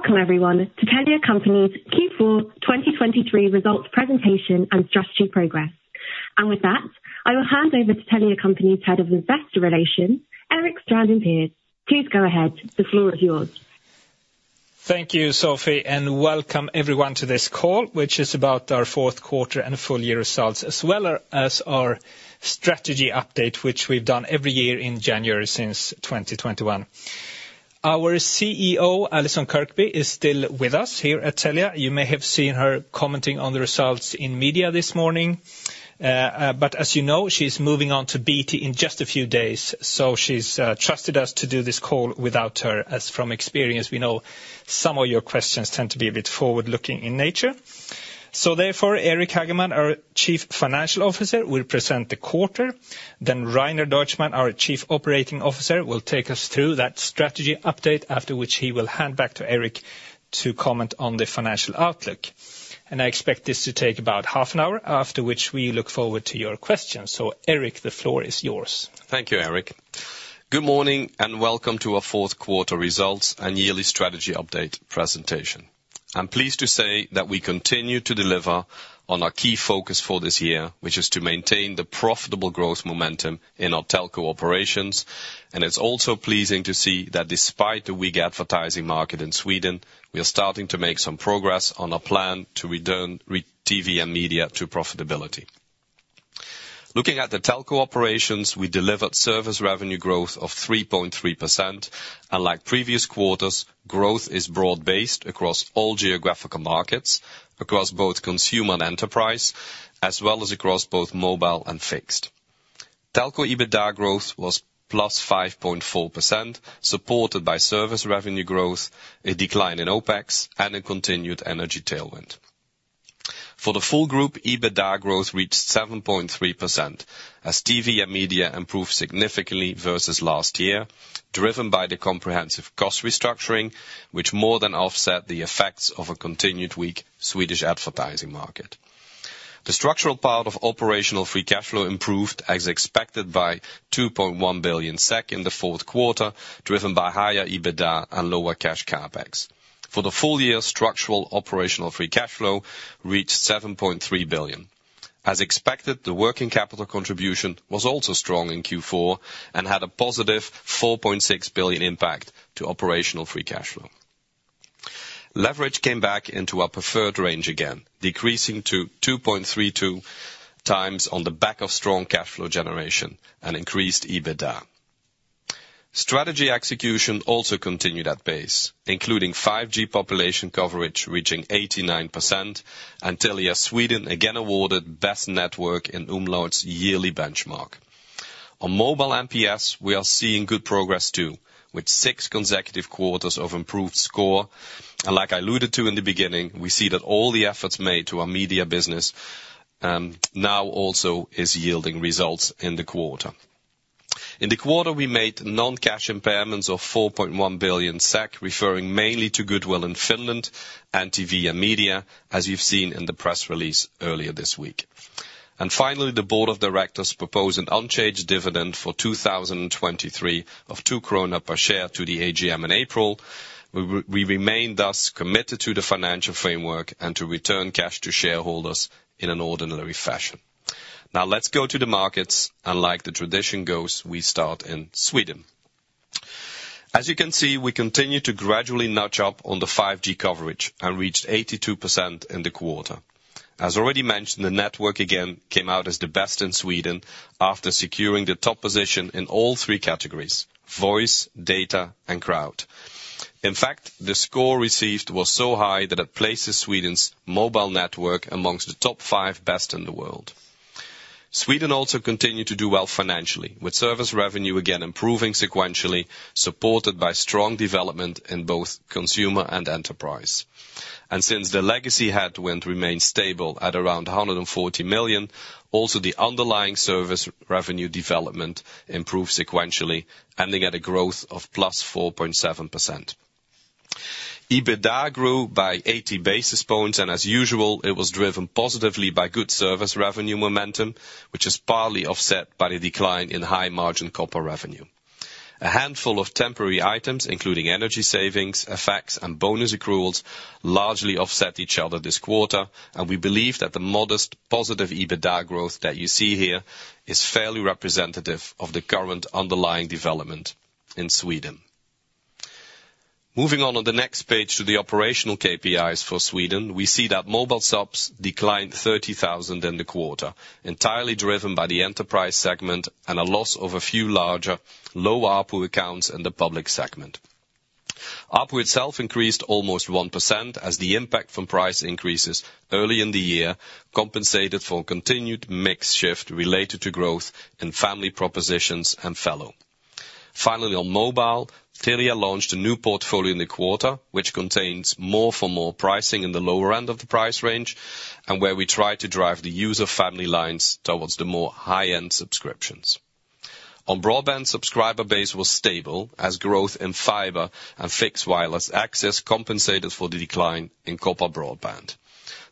Welcome everyone to Telia Company's Q4 2023 results presentation and strategy progress. With that, I will hand over to Telia Company's Head of Investor Relations, Erik Strandin Pers. Please go ahead. The floor is yours. Thank you, Sophie, and welcome everyone to this call, which is about our fourth quarter and full year results, as well as our strategy update, which we've done every year in January since 2021. Our CEO, Allison Kirkby, is still with us here at Telia. You may have seen her commenting on the results in media this morning, but as you know, she's moving on to BT in just a few days, so she's trusted us to do this call without her, as from experience, we know some of your questions tend to be a bit forward-looking in nature. So therefore, Eric Hageman, our Chief Financial Officer, will present the quarter. Then Rainer Deutschmann, our Chief Operating Officer, will take us through that strategy update, after which he will hand back to Erik to comment on the financial outlook. I expect this to take about half an hour, after which we look forward to your questions. Eric, the floor is yours. Thank you, Erik. Good morning, and welcome to our fourth quarter results and yearly strategy update presentation. I'm pleased to say that we continue to deliver on our key focus for this year, which is to maintain the profitable growth momentum in our telco operations. It's also pleasing to see that despite the weak advertising market in Sweden, we are starting to make some progress on a plan to return TV and Media to profitability. Looking at the telco operations, we delivered service revenue growth of 3.3%, and like previous quarters, growth is broad-based across all geographical markets, across both consumer and enterprise, as well as across both mobile and fixed. Telco EBITDA growth was +5.4%, supported by service revenue growth, a decline in OpEx, and a continued energy tailwind. For the full group, EBITDA growth reached 7.3%, as TV and Media improved significantly versus last year, driven by the comprehensive cost restructuring, which more than offset the effects of a continued weak Swedish advertising market. The structural part of operational free cash flow improved as expected by 2.1 billion SEK in the fourth quarter, driven by higher EBITDA and lower cash CapEx. For the full year, structural operational free cash flow reached 7.3 billion. As expected, the working capital contribution was also strong in Q4 and had a positive 4.6 billion impact to operational free cash flow. Leverage came back into our preferred range again, decreasing to 2.32x on the back of strong cash flow generation and increased EBITDA. Strategy execution also continued at pace, including 5G population coverage reaching 89%, and Telia Sweden again awarded Best Network in Umlaut's yearly benchmark. On mobile NPS, we are seeing good progress, too, with six consecutive quarters of improved score. Like I alluded to in the beginning, we see that all the efforts made to our media business now also is yielding results in the quarter. In the quarter, we made non-cash impairments of 4.1 billion SEK, referring mainly to goodwill in Finland and TV and Media, as you've seen in the press release earlier this week. And finally, the board of directors propose an unchanged dividend for 2023 of 2 krona per share to the AGM in April. We remain thus committed to the financial framework and to return cash to shareholders in an ordinary fashion. Now let's go to the markets, and like the tradition goes, we start in Sweden. As you can see, we continue to gradually notch up on the 5G coverage and reached 82% in the quarter. As already mentioned, the network again came out as the best in Sweden after securing the top position in all three categories: voice, data, and crowd. In fact, the score received was so high that it places Sweden's mobile network among the top five best in the world. Sweden also continued to do well financially, with service revenue again improving sequentially, supported by strong development in both consumer and enterprise. And since the legacy headwind remained stable at around 140 million, also the underlying service revenue development improved sequentially, ending at a growth of +4.7%. EBITDA grew by 80 basis points, and as usual, it was driven positively by good service revenue momentum, which is partly offset by a decline in high-margin copper revenue. A handful of temporary items, including energy savings, effects, and bonus accruals, largely offset each other this quarter, and we believe that the modest positive EBITDA growth that you see here is fairly representative of the current underlying development in Sweden. Moving on on the next page to the operational KPIs for Sweden, we see that mobile subs declined 30,000 in the quarter, entirely driven by the enterprise segment and a loss of a few larger, low ARPU accounts in the public segment. ARPU itself increased almost 1%, as the impact from price increases early in the year compensated for continued mix shift related to growth in family propositions and Fello. Finally, on mobile, Telia launched a new portfolio in the quarter, which contains more for more pricing in the lower end of the price range and where we try to drive the user family lines towards the more high-end subscriptions. On broadband, subscriber base was stable as growth in fiber and fixed wireless access compensated for the decline in copper broadband.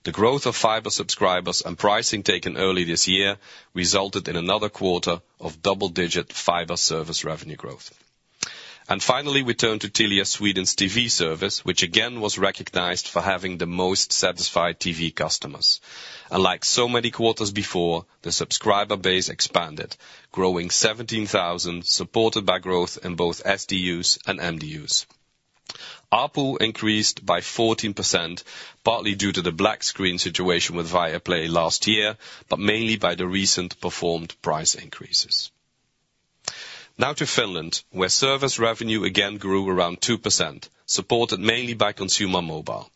The growth of fiber subscribers and pricing taken early this year resulted in another quarter of double-digit fiber service revenue growth. Finally, we turn to Telia Sweden's TV service, which again was recognized for having the most satisfied TV customers. And like so many quarters before, the subscriber base expanded, growing 17,000, supported by growth in both SDUs and MDUs. ARPU increased by 14%, partly due to the black screen situation with Viaplay last year, but mainly by the recent performed price increases. Now to Finland, where service revenue again grew around 2%, supported mainly by consumer mobile.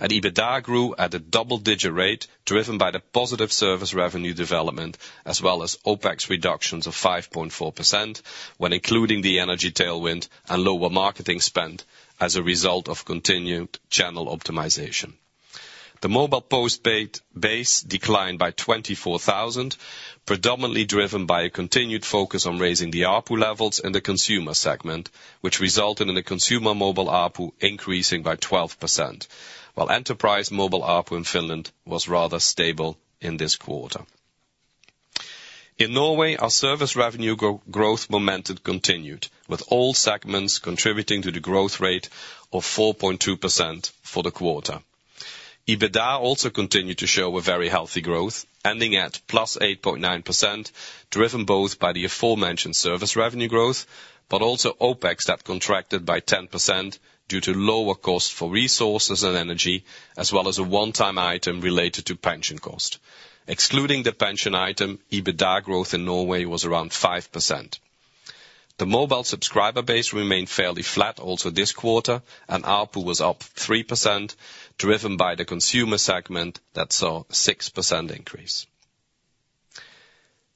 EBITDA grew at a double-digit rate, driven by the positive service revenue development, as well as OpEx reductions of 5.4% when including the energy tailwind and lower marketing spend as a result of continued channel optimization. The mobile postpaid base declined by 24,000, predominantly driven by a continued focus on raising the ARPU levels in the consumer segment, which resulted in the consumer mobile ARPU increasing by 12%, while enterprise mobile ARPU in Finland was rather stable in this quarter. In Norway, our service revenue growth momentum continued, with all segments contributing to the growth rate of 4.2% for the quarter. EBITDA also continued to show a very healthy growth, ending at +8.9%, driven both by the aforementioned service revenue growth, but also OpEx that contracted by 10% due to lower costs for resources and energy, as well as a one-time item related to pension cost. Excluding the pension item, EBITDA growth in Norway was around 5%. The mobile subscriber base remained fairly flat also this quarter, and ARPU was up 3%, driven by the consumer segment that saw 6% increase.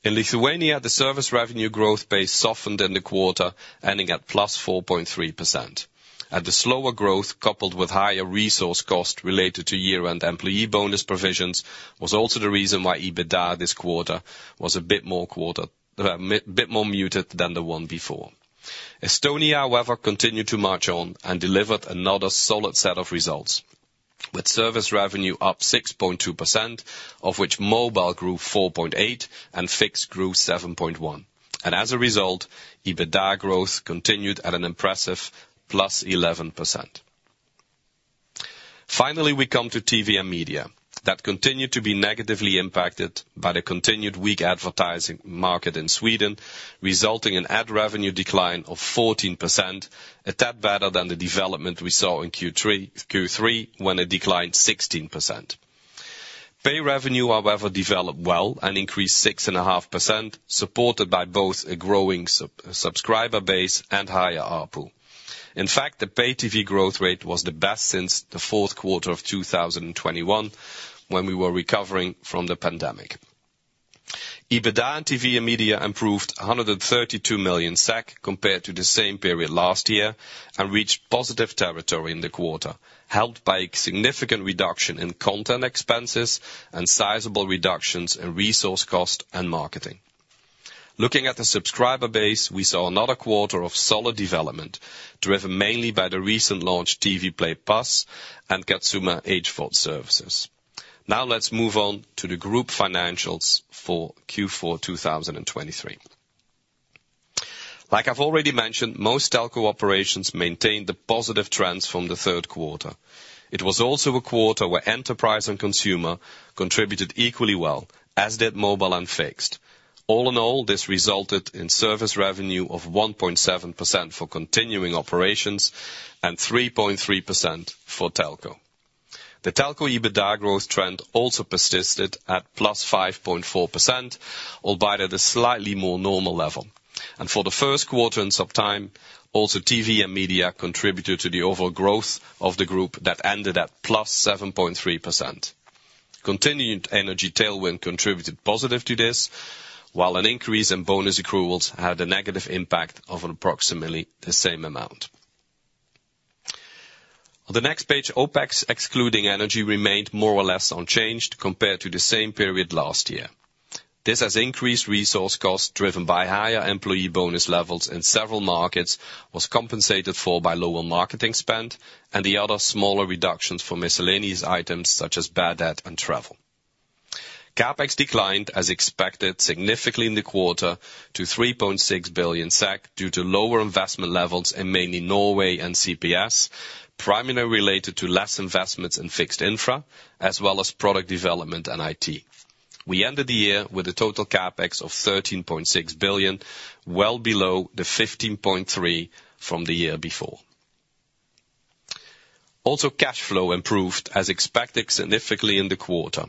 In Lithuania, the service revenue growth base softened in the quarter, ending at +4.3%. The slower growth, coupled with higher resource costs related to year-end employee bonus provisions, was also the reason why EBITDA this quarter was a bit more muted than the one before. Estonia, however, continued to march on and delivered another solid set of results, with service revenue up 6.2%, of which mobile grew 4.8%, and fixed grew 7.1%. As a result, EBITDA growth continued at an impressive +11%. Finally, we come to TV and Media, that continued to be negatively impacted by the continued weak advertising market in Sweden, resulting in ad revenue decline of 14%, a tad better than the development we saw in Q3, when it declined 16%. Pay revenue, however, developed well and increased 6.5%, supported by both a growing subscriber base and higher ARPU. In fact, the pay TV growth rate was the best since the fourth quarter of 2021, when we were recovering from the pandemic. EBITDA and TV and Media improved 132 million SEK compared to the same period last year, and reached positive territory in the quarter, helped by a significant reduction in content expenses and sizable reductions in resource cost and marketing. Looking at the subscriber base, we saw another quarter of solid development, driven mainly by the recent launch, TV Play Pass and Katsomo SVOD services. Now let's move on to the group financials for Q4 2023. Like I've already mentioned, most telco operations maintained the positive trends from the third quarter. It was also a quarter where enterprise and consumer contributed equally well, as did mobile and fixed. All in all, this resulted in service revenue of 1.7% for continuing operations and 3.3% for telco. The telco EBITDA growth trend also persisted at +5.4%, albeit at a slightly more normal level. And for the first quarter in some time, also, TV and Media contributed to the overall growth of the group that ended at +7.3%. Continued energy tailwind contributed positive to this, while an increase in bonus accruals had a negative impact of approximately the same amount. On the next page, OpEx, excluding energy, remained more or less unchanged compared to the same period last year. This has increased resource costs, driven by higher employee bonus levels in several markets, was compensated for by lower marketing spend and the other smaller reductions for miscellaneous items such as bad debt and travel. CapEx declined as expected, significantly in the quarter to 3.6 billion SEK due to lower investment levels in mainly Norway and CPS, primarily related to less investments in fixed infra, as well as product development and IT. We ended the year with a total CapEx of 13.6 billion, well below the 15.3 billion from the year before. Also, cash flow improved, as expected, significantly in the quarter.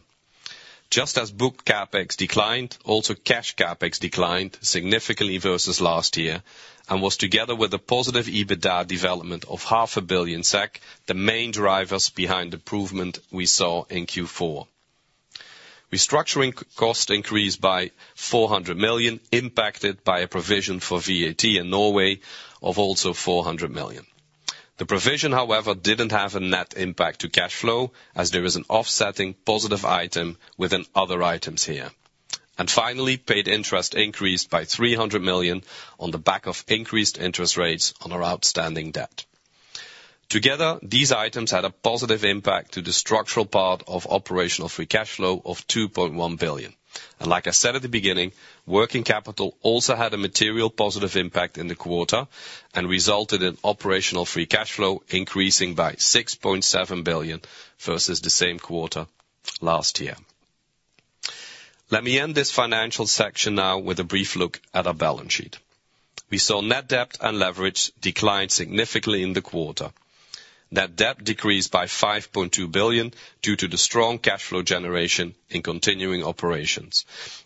Just as booked CapEx declined, also, cash CapEx declined significantly versus last year and was, together with a positive EBITDA development of 500 million SEK, the main drivers behind improvement we saw in Q4. Restructuring cost increased by 400 million, impacted by a provision for VAT in Norway of also 400 million. The provision, however, didn't have a net impact to cash flow, as there is an offsetting positive item within other items here. Finally, paid interest increased by 300 million on the back of increased interest rates on our outstanding debt. Together, these items had a positive impact to the structural part of operational free cash flow of 2.1 billion. And like I said at the beginning, working capital also had a material positive impact in the quarter and resulted in operational free cash flow increasing by 6.7 billion versus the same quarter last year. Let me end this financial section now with a brief look at our balance sheet. We saw net debt and leverage decline significantly in the quarter. Net debt decreased by 5.2 billion due to the strong cash flow generation in continuing operations.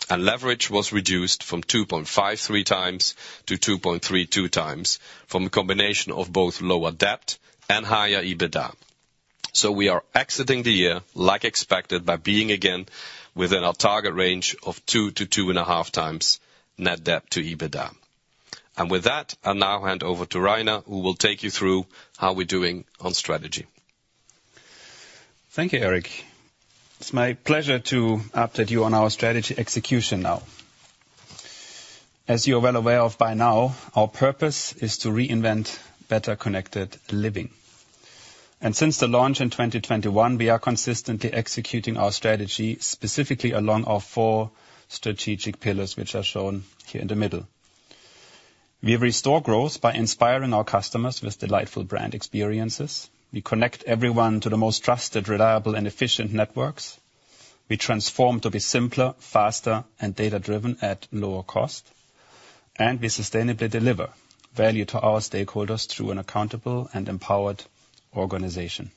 Leverage was reduced from 2.53 times to 2.32 times, from a combination of both lower debt and higher EBITDA. So we are exiting the year, like expected, by being again within our target range of 2-2.5x Net Debt to EBITDA. And with that, I'll now hand over to Rainer, who will take you through how we're doing on strategy. Thank you, Eric. It's my pleasure to update you on our strategy execution now. As you're well aware of by now, our purpose is to reinvent better connected living. Since the launch in 2021, we are consistently executing our strategy, specifically along our four strategic pillars, which are shown here in the middle. We restore growth by inspiring our customers with delightful brand experiences. We connect everyone to the most trusted, reliable and efficient networks. We transform to be simpler, faster, and data-driven at lower cost. And we sustainably deliver value to our stakeholders through an accountable and empowered organization.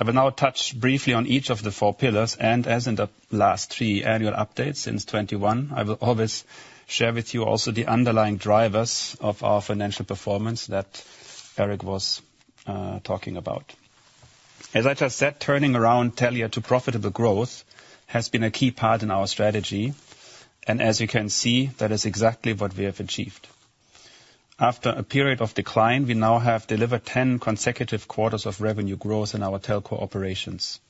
I will now touch briefly on each of the four pillars, and as in the last three annual updates, since 2021, I will always share with you also the underlying drivers of our financial performance that Eric was talking about. As I just said, turning around Telia to profitable growth has been a key part in our strategy, and as you can see, that is exactly what we have achieved. After a period of decline, we now have delivered 10 consecutive quarters of revenue growth in our telco operations.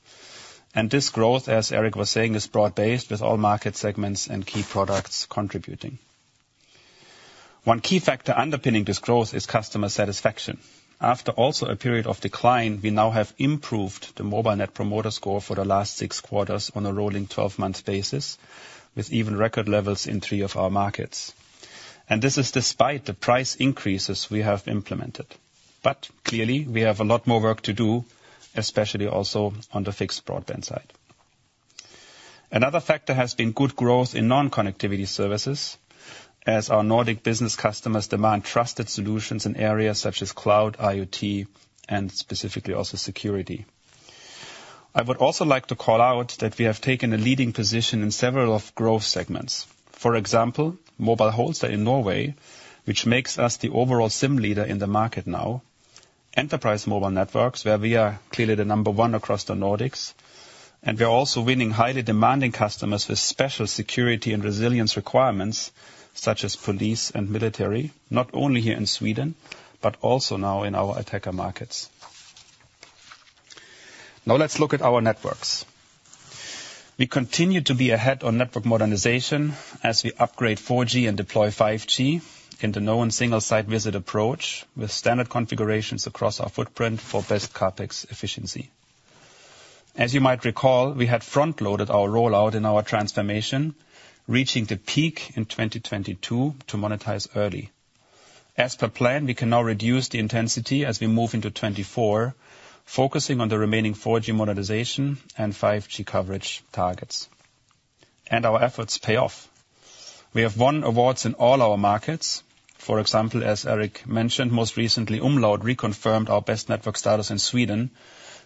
And this growth, as Eric was saying, is broad-based, with all market segments and key products contributing. One key factor underpinning this growth is customer satisfaction. After also a period of decline, we now have improved the mobile Net Promoter Score for the last 6 quarters on a rolling 12-month basis, with even record levels in 3 of our markets. And this is despite the price increases we have implemented. But clearly, we have a lot more work to do, especially also on the fixed broadband side. Another factor has been good growth in non-connectivity services, as our Nordic business customers demand trusted solutions in areas such as cloud, IoT, and specifically also security. I would also like to call out that we have taken a leading position in several of growth segments. For example, mobile wholesale in Norway, which makes us the overall SIM leader in the market now. Enterprise mobile networks, where we are clearly the number one across the Nordics. And we are also winning highly demanding customers with special security and resilience requirements, such as police and military, not only here in Sweden, but also now in our Estonia markets. Now let's look at our networks. We continue to be ahead on network modernization as we upgrade 4G and deploy 5G in the one-and-done single site visit approach, with standard configurations across our footprint for best CapEx efficiency. As you might recall, we had front-loaded our rollout in our transformation, reaching the peak in 2022 to monetize early. As per plan, we can now reduce the intensity as we move into 2024, focusing on the remaining 4G monetization and 5G coverage targets. And our efforts pay off. We have won awards in all our markets. For example, as Eric mentioned, most recently, Umlaut reconfirmed our best network status in Sweden,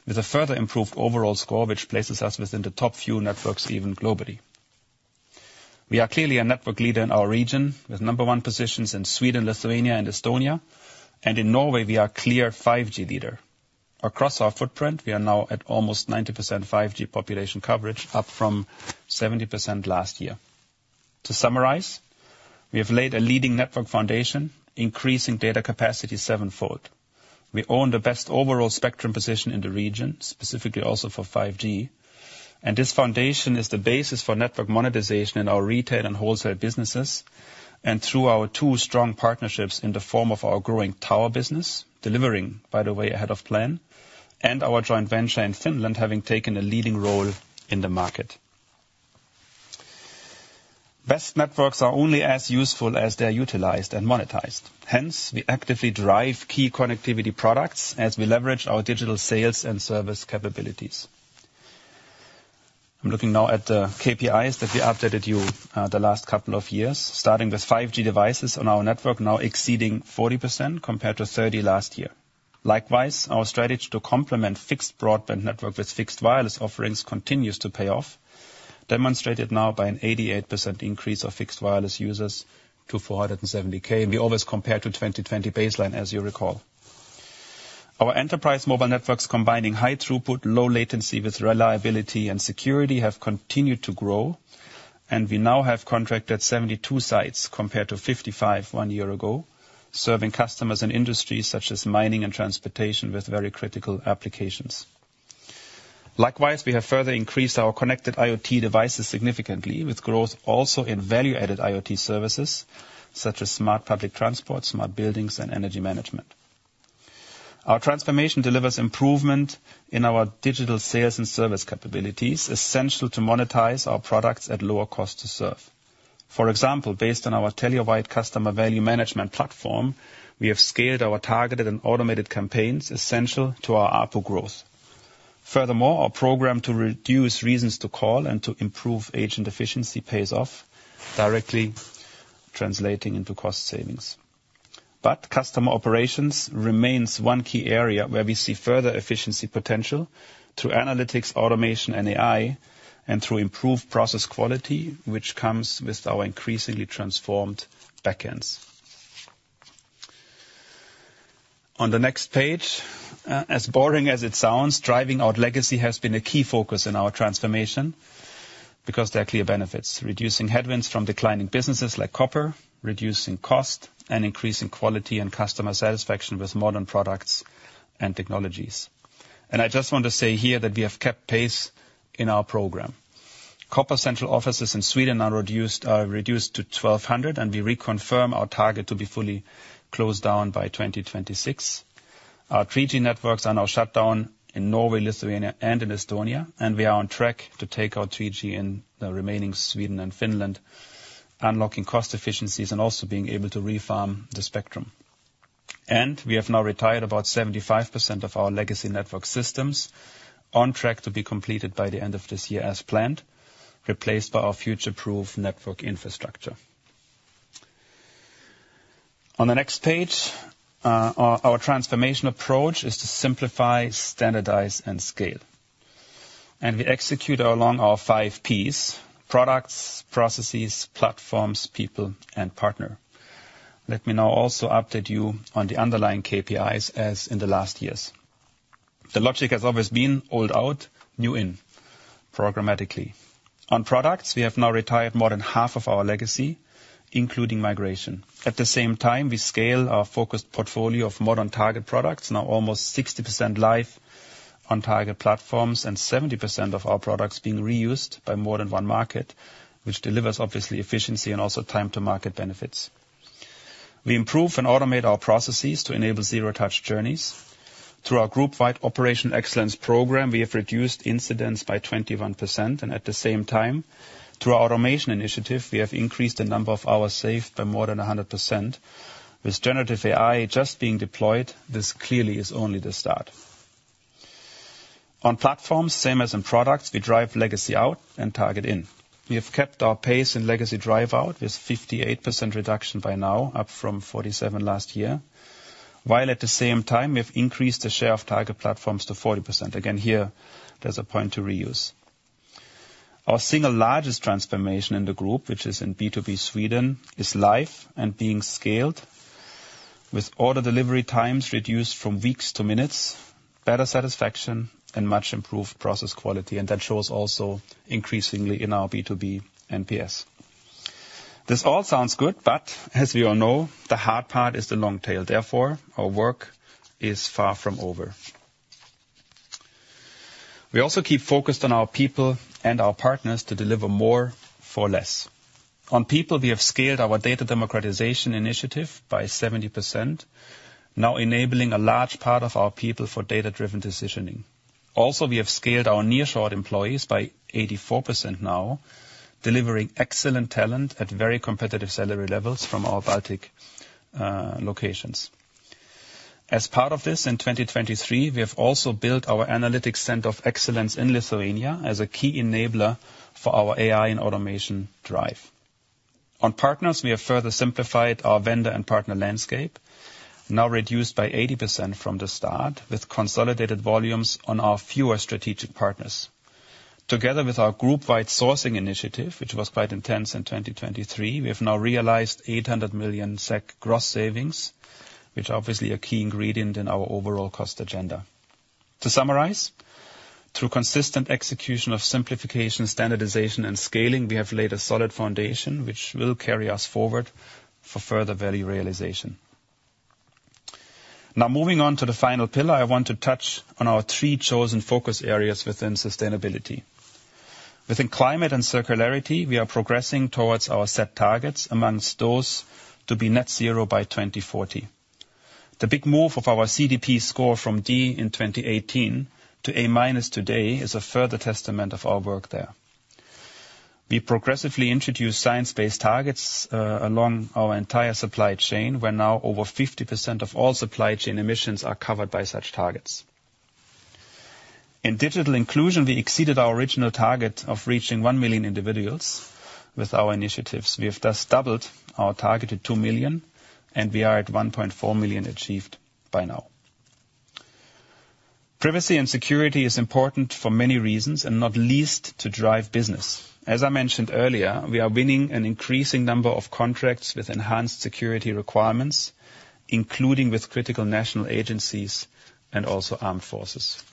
with a further improved overall score, which places us within the top few networks, even globally. We are clearly a network leader in our region, with number one positions in Sweden, Lithuania and Estonia. And in Norway, we are clear 5G leader. Across our footprint, we are now at almost 90% 5G population coverage, up from 70% last year. To summarize, we have laid a leading network foundation, increasing data capacity sevenfold. We own the best overall spectrum position in the region, specifically also for 5G. This foundation is the basis for network monetization in our retail and wholesale businesses, and through our two strong partnerships in the form of our growing tower business, delivering, by the way, ahead of plan, and our joint venture in Finland, having taken a leading role in the market. Best networks are only as useful as they are utilized and monetized. Hence, we actively drive key connectivity products as we leverage our digital sales and service capabilities. I'm looking now at the KPIs that we updated you, the last couple of years, starting with 5G devices on our network now exceeding 40%, compared to 30% last year. Likewise, our strategy to complement fixed broadband network with fixed wireless offerings continues to pay off, demonstrated now by an 88% increase of fixed wireless users to 470,000. We always compare to 2020 baseline, as you recall. Our enterprise mobile networks, combining high throughput, low latency with reliability and security, have continued to grow, and we now have contracted 72 sites compared to 55 one year ago, serving customers in industries such as mining and transportation with very critical applications.... Likewise, we have further increased our connected IoT devices significantly, with growth also in value-added IoT services, such as smart public transport, smart buildings, and energy management. Our transformation delivers improvement in our digital sales and service capabilities, essential to monetize our products at lower cost to serve. For example, based on our Telia-wide customer value management platform, we have scaled our targeted and automated campaigns essential to our ARPU growth. Furthermore, our program to reduce reasons to call and to improve agent efficiency pays off, directly translating into cost savings. But customer operations remains one key area where we see further efficiency potential through analytics, automation, and AI, and through improved process quality, which comes with our increasingly transformed backends. On the next page, as boring as it sounds, driving out legacy has been a key focus in our transformation, because there are clear benefits: reducing headwinds from declining businesses like copper, reducing cost, and increasing quality and customer satisfaction with modern products and technologies. And I just want to say here that we have kept pace in our program. Copper central offices in Sweden are reduced, are reduced to 1,200, and we reconfirm our target to be fully closed down by 2026. Our 3G networks are now shut down in Norway, Lithuania, and in Estonia, and we are on track to take our 3G in the remaining Sweden and Finland, unlocking cost efficiencies and also being able to re-farm the spectrum. We have now retired about 75% of our legacy network systems, on track to be completed by the end of this year as planned, replaced by our future-proof network infrastructure. On the next page, our, our transformation approach is to simplify, standardize, and scale. We execute along our five Ps: products, processes, platforms, people, and partner. Let me now also update you on the underlying KPIs as in the last years. The logic has always been old out, new in, programmatically. On products, we have now retired more than half of our legacy, including migration. At the same time, we scale our focused portfolio of modern target products, now almost 60% live on target platforms, and 70% of our products being reused by more than one market, which delivers, obviously, efficiency and also time to market benefits. We improve and automate our processes to enable zero-touch journeys. Through our group-wide Operational Excellence program, we have reduced incidents by 21%, and at the same time, through our automation initiative, we have increased the number of hours saved by more than 100%. With generative AI just being deployed, this clearly is only the start. On platforms, same as in products, we drive legacy out and target in. We have kept our pace in legacy drive out, with 58% reduction by now, up from 47 last year, while at the same time, we've increased the share of target platforms to 40%. Again, here, there's a point to reuse. Our single largest transformation in the group, which is in B2B Sweden, is live and being scaled with order delivery times reduced from weeks to minutes, better satisfaction, and much improved process quality, and that shows also increasingly in our B2B NPS. This all sounds good, but as we all know, the hard part is the long tail. Therefore, our work is far from over. We also keep focused on our people and our partners to deliver more for less. On people, we have scaled our data democratization initiative by 70%, now enabling a large part of our people for data-driven decisioning. Also, we have scaled our nearshore employees by 84% now, delivering excellent talent at very competitive salary levels from our Baltics locations. As part of this, in 2023, we have also built our analytics center of excellence in Lithuania as a key enabler for our AI and automation drive. On partners, we have further simplified our vendor and partner landscape, now reduced by 80% from the start, with consolidated volumes on our fewer strategic partners. Together with our group-wide sourcing initiative, which was quite intense in 2023, we have now realized 800 million SEK gross savings, which are obviously a key ingredient in our overall cost agenda. To summarize, through consistent execution of simplification, standardization, and scaling, we have laid a solid foundation, which will carry us forward for further value realization. Now, moving on to the final pillar, I want to touch on our three chosen focus areas within sustainability. Within climate and circularity, we are progressing toward our set targets, among those to be net zero by 2040. The big move of our CDP score from D in 2018 to A-today is a further testament of our work there. We progressively introduced science-based targets along our entire supply chain, where now over 50% of all supply chain emissions are covered by such targets. In digital inclusion, we exceeded our original target of reaching one million individuals with our initiatives. We have thus doubled our target to two million, and we are at 1.4 million achieved by now. Privacy and security is important for many reasons, and not least to drive business. As I mentioned earlier, we are winning an increasing number of contracts with enhanced security requirements, including with critical national agencies and also armed forces.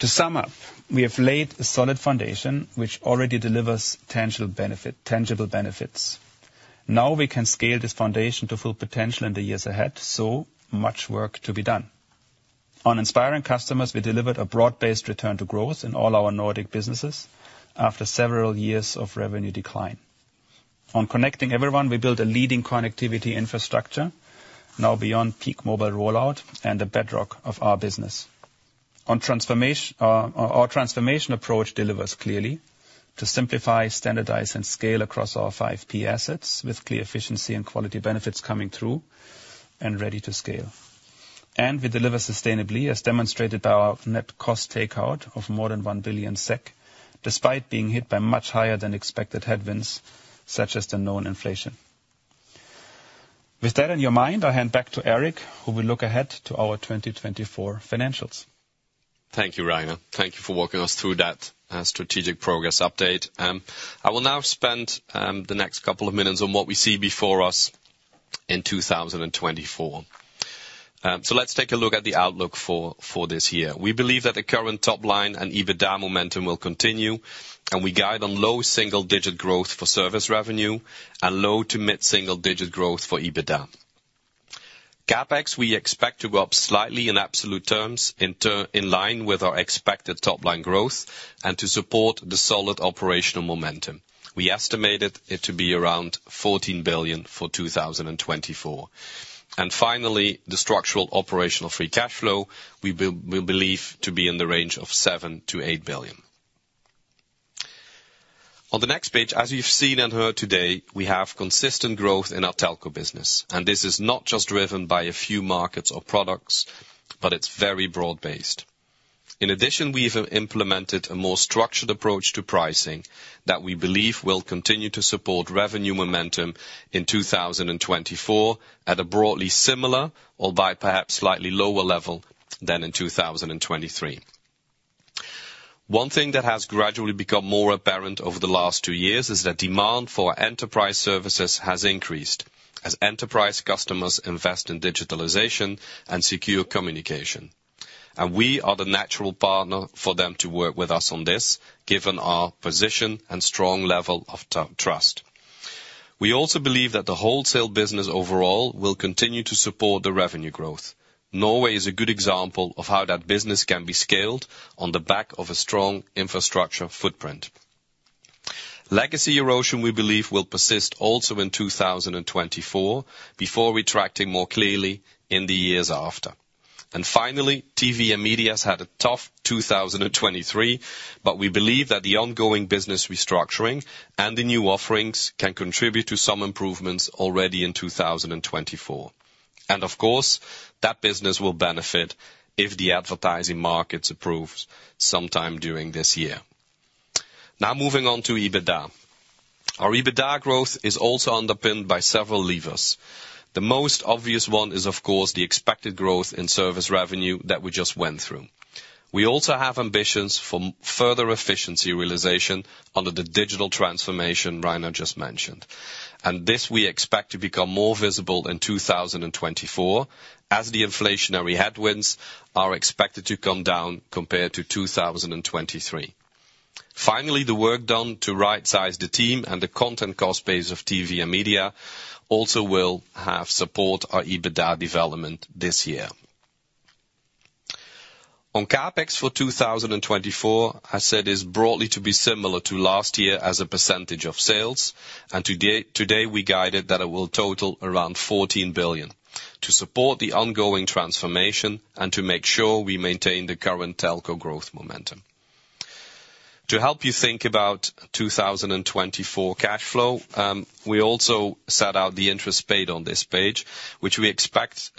To sum up, we have laid a solid foundation, which already delivers tangible benefit, tangible benefits. Now we can scale this foundation to full potential in the years ahead, so much work to be done. On inspiring customers, we delivered a broad-based return to growth in all our Nordic businesses after several years of revenue decline. On connecting everyone, we built a leading connectivity infrastructure, now beyond peak mobile rollout and the bedrock of our business. On transformation, our transformation approach delivers clearly to simplify, standardize, and scale across our five P assets, with clear efficiency and quality benefits coming through and ready to scale. We deliver sustainably, as demonstrated by our net cost takeout of more than 1 billion SEK, despite being hit by much higher than expected headwinds, such as the known inflation. With that in your mind, I hand back to Eric, who will look ahead to our 2024 financials. Thank you, Rainer. Thank you for walking us through that, strategic progress update. I will now spend the next couple of minutes on what we see before us in 2024. So let's take a look at the outlook for, for this year. We believe that the current top line and EBITDA momentum will continue, and we guide on low single-digit growth for service revenue and low to mid-single digit growth for EBITDA. CapEx, we expect to go up slightly in absolute terms, in turn, in line with our expected top-line growth and to support the solid operational momentum. We estimated it to be around 14 billion for 2024. And finally, the structural operational free cash flow, we believe to be in the range of 7-8 billion. On the next page, as you've seen and heard today, we have consistent growth in our telco business, and this is not just driven by a few markets or products, but it's very broad-based. In addition, we've implemented a more structured approach to pricing that we believe will continue to support revenue momentum in 2024 at a broadly similar, albeit perhaps slightly lower level than in 2023. One thing that has gradually become more apparent over the last two years is that demand for enterprise services has increased as enterprise customers invest in digitalization and secure communication. And we are the natural partner for them to work with us on this, given our position and strong level of trust. We also believe that the wholesale business overall will continue to support the revenue growth. Norway is a good example of how that business can be scaled on the back of a strong infrastructure footprint. Legacy erosion, we believe, will persist also in 2024, before retracting more clearly in the years after. And finally, TV and media had a tough 2023, but we believe that the ongoing business restructuring and the new offerings can contribute to some improvements already in 2024. And of course, that business will benefit if the advertising markets approves sometime during this year. Now moving on to EBITDA. Our EBITDA growth is also underpinned by several levers. The most obvious one is, of course, the expected growth in service revenue that we just went through. We also have ambitions for further efficiency realization under the digital transformation Rainer just mentioned, and this we expect to become more visible in 2024 as the inflationary headwinds are expected to come down compared to 2023. Finally, the work done to rightsize the team and the content cost base of TV and media also will have support our EBITDA development this year. On CapEx for 2024, I said is broadly to be similar to last year as a percentage of sales, and today, today we guided that it will total around 14 billion to support the ongoing transformation and to make sure we maintain the current telco growth momentum. To help you think about 2024 cash flow, we also set out the interest paid on this page, which we expect,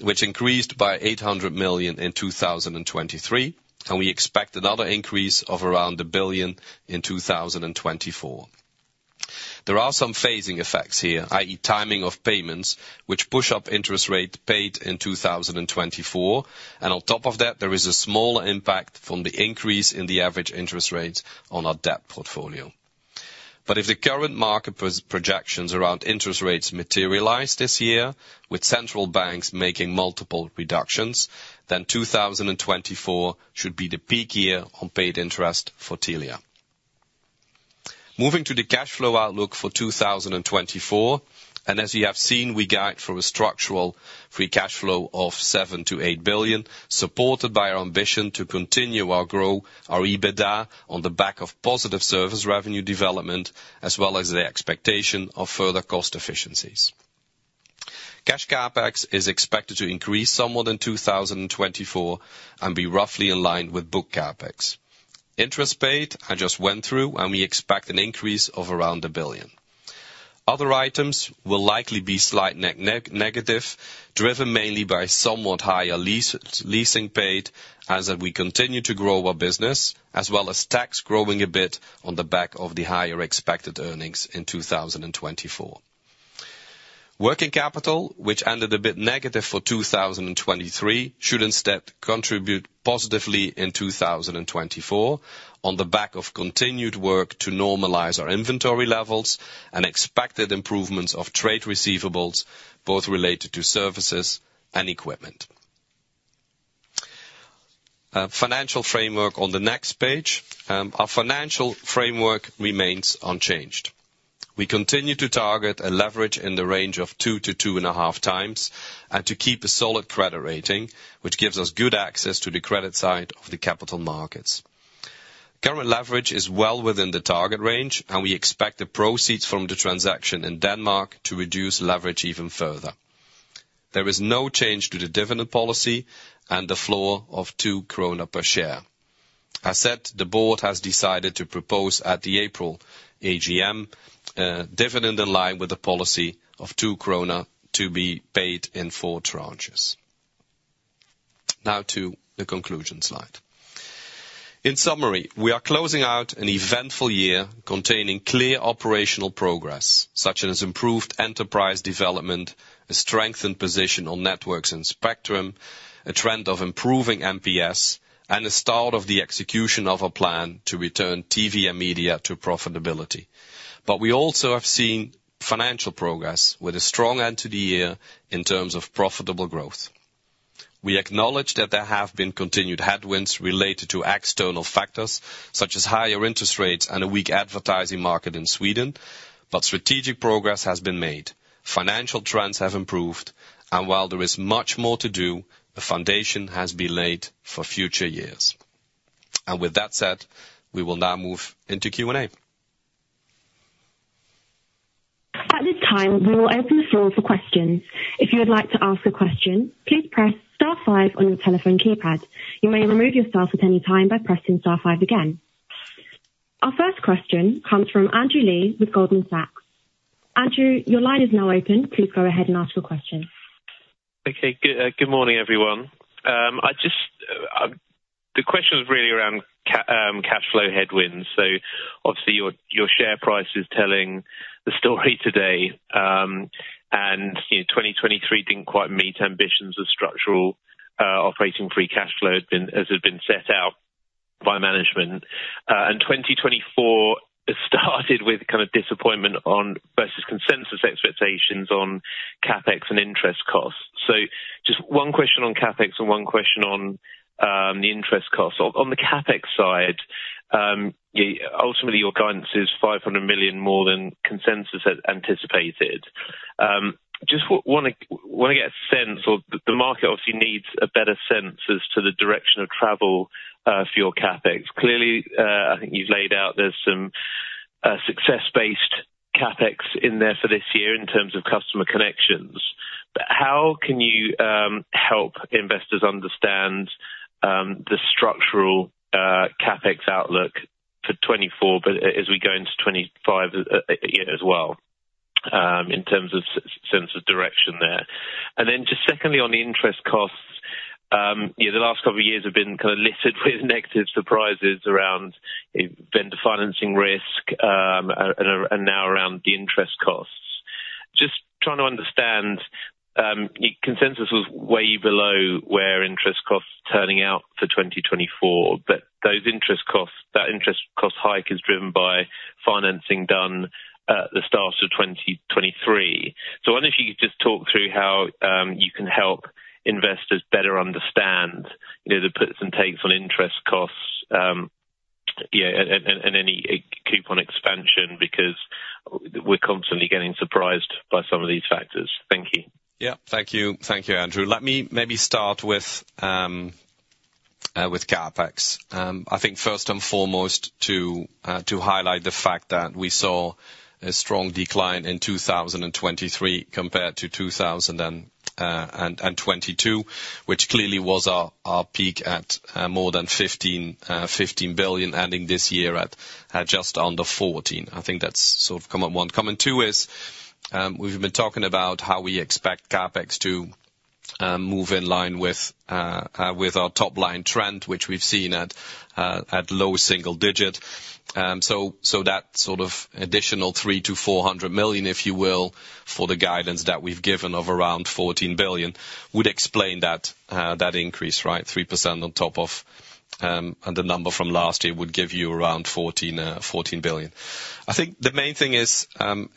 which increased by 800 million in 2023, and we expect another increase of around 1 billion in 2024. There are some phasing effects here, i.e., timing of payments, which push up interest paid in 2024. And on top of that, there is a small impact from the increase in the average interest rates on our debt portfolio. But if the current market projections around interest rates materialize this year, with central banks making multiple reductions, then 2024 should be the peak year on paid interest for Telia. Moving to the cash flow outlook for 2024, and as you have seen, we guide for a structural free cash flow of 7 billion-8 billion, supported by our ambition to continue to grow our EBITDA on the back of positive service revenue development, as well as the expectation of further cost efficiencies. Cash CapEx is expected to increase somewhat in 2024 and be roughly aligned with book CapEx. Interest paid, I just went through, and we expect an increase of around 1 billion. Other items will likely be slightly negative, driven mainly by somewhat higher leasing paid as we continue to grow our business, as well as tax growing a bit on the back of the higher expected earnings in 2024. Working capital, which ended a bit negative for 2023, should instead contribute positively in 2024 on the back of continued work to normalize our inventory levels and expected improvements of trade receivables, both related to services and equipment. Financial framework on the next page. Our financial framework remains unchanged. We continue to target a leverage in the range of 2-2.5x, and to keep a solid credit rating, which gives us good access to the credit side of the capital markets. Current leverage is well within the target range, and we expect the proceeds from the transaction in Denmark to reduce leverage even further. There is no change to the dividend policy and the floor of 2 krona per share. As said, the board has decided to propose at the April AGM a dividend in line with the policy of 2 krona to be paid in 4 tranches. Now to the conclusion slide. In summary, we are closing out an eventful year containing clear operational progress, such as improved enterprise development, a strengthened position on networks and spectrum, a trend of improving NPS, and the start of the execution of a plan to return TV and Media to profitability. But we also have seen financial progress with a strong end to the year in terms of profitable growth. We acknowledge that there have been continued headwinds related to external factors, such as higher interest rates and a weak advertising market in Sweden, but strategic progress has been made. Financial trends have improved, and while there is much more to do, the foundation has been laid for future years. With that said, we will now move into Q&A. At this time, we will open the floor for questions. If you would like to ask a question, please press star five on your telephone keypad. You may remove your star at any time by pressing star five again. Our first question comes from Andrew Lee with Goldman Sachs. Andrew, your line is now open. Please go ahead and ask your question. Okay, good, good morning, everyone. The question is really around cash flow headwinds. So obviously, your, your share price is telling the story today. And, you know, 2023 didn't quite meet ambitions of structural, operating free cash flow as had been set out by management. And 2024 has started with kind of disappointment on versus consensus expectations on CapEx and interest costs. So just one question on CapEx and one question on the interest costs. On the CapEx side, yeah, ultimately, your guidance is 500 million more than consensus had anticipated. Just want to get a sense of the market obviously needs a better sense as to the direction of travel for your CapEx. Clearly, I think you've laid out there's some success-based CapEx in there for this year in terms of customer connections. But how can you help investors understand the structural CapEx outlook for 2024, but as we go into 2025, you know, as well, in terms of sense of direction there? And then just secondly, on the interest costs, you know, the last couple of years have been kind of littered with negative surprises around vendor financing risk, and now around the interest costs. Just trying to understand consensus was way below where interest costs are turning out for 2024, but those interest costs, that interest cost hike is driven by financing done at the start of 2023. I wonder if you could just talk through how you can help investors better understand, you know, the puts and takes on interest costs, and any coupon expansion, because we're constantly getting surprised by some of these factors. Thank you. Yeah, thank you. Thank you, Andrew. Let me maybe start with CapEx. I think first and foremost, to highlight the fact that we saw a strong decline in 2023 compared to 2022, which clearly was our peak at more than 15 billion, ending this year at just under 14. I think that's sort of comment one. Comment two is, we've been talking about how we expect CapEx to move in line with our top line trend, which we've seen at low single digit. So that sort of additional 300-400 million, if you will, for the guidance that we've given of around 14 billion, would explain that increase, right? 3% on top of the number from last year would give you around 14 billion. I think the main thing is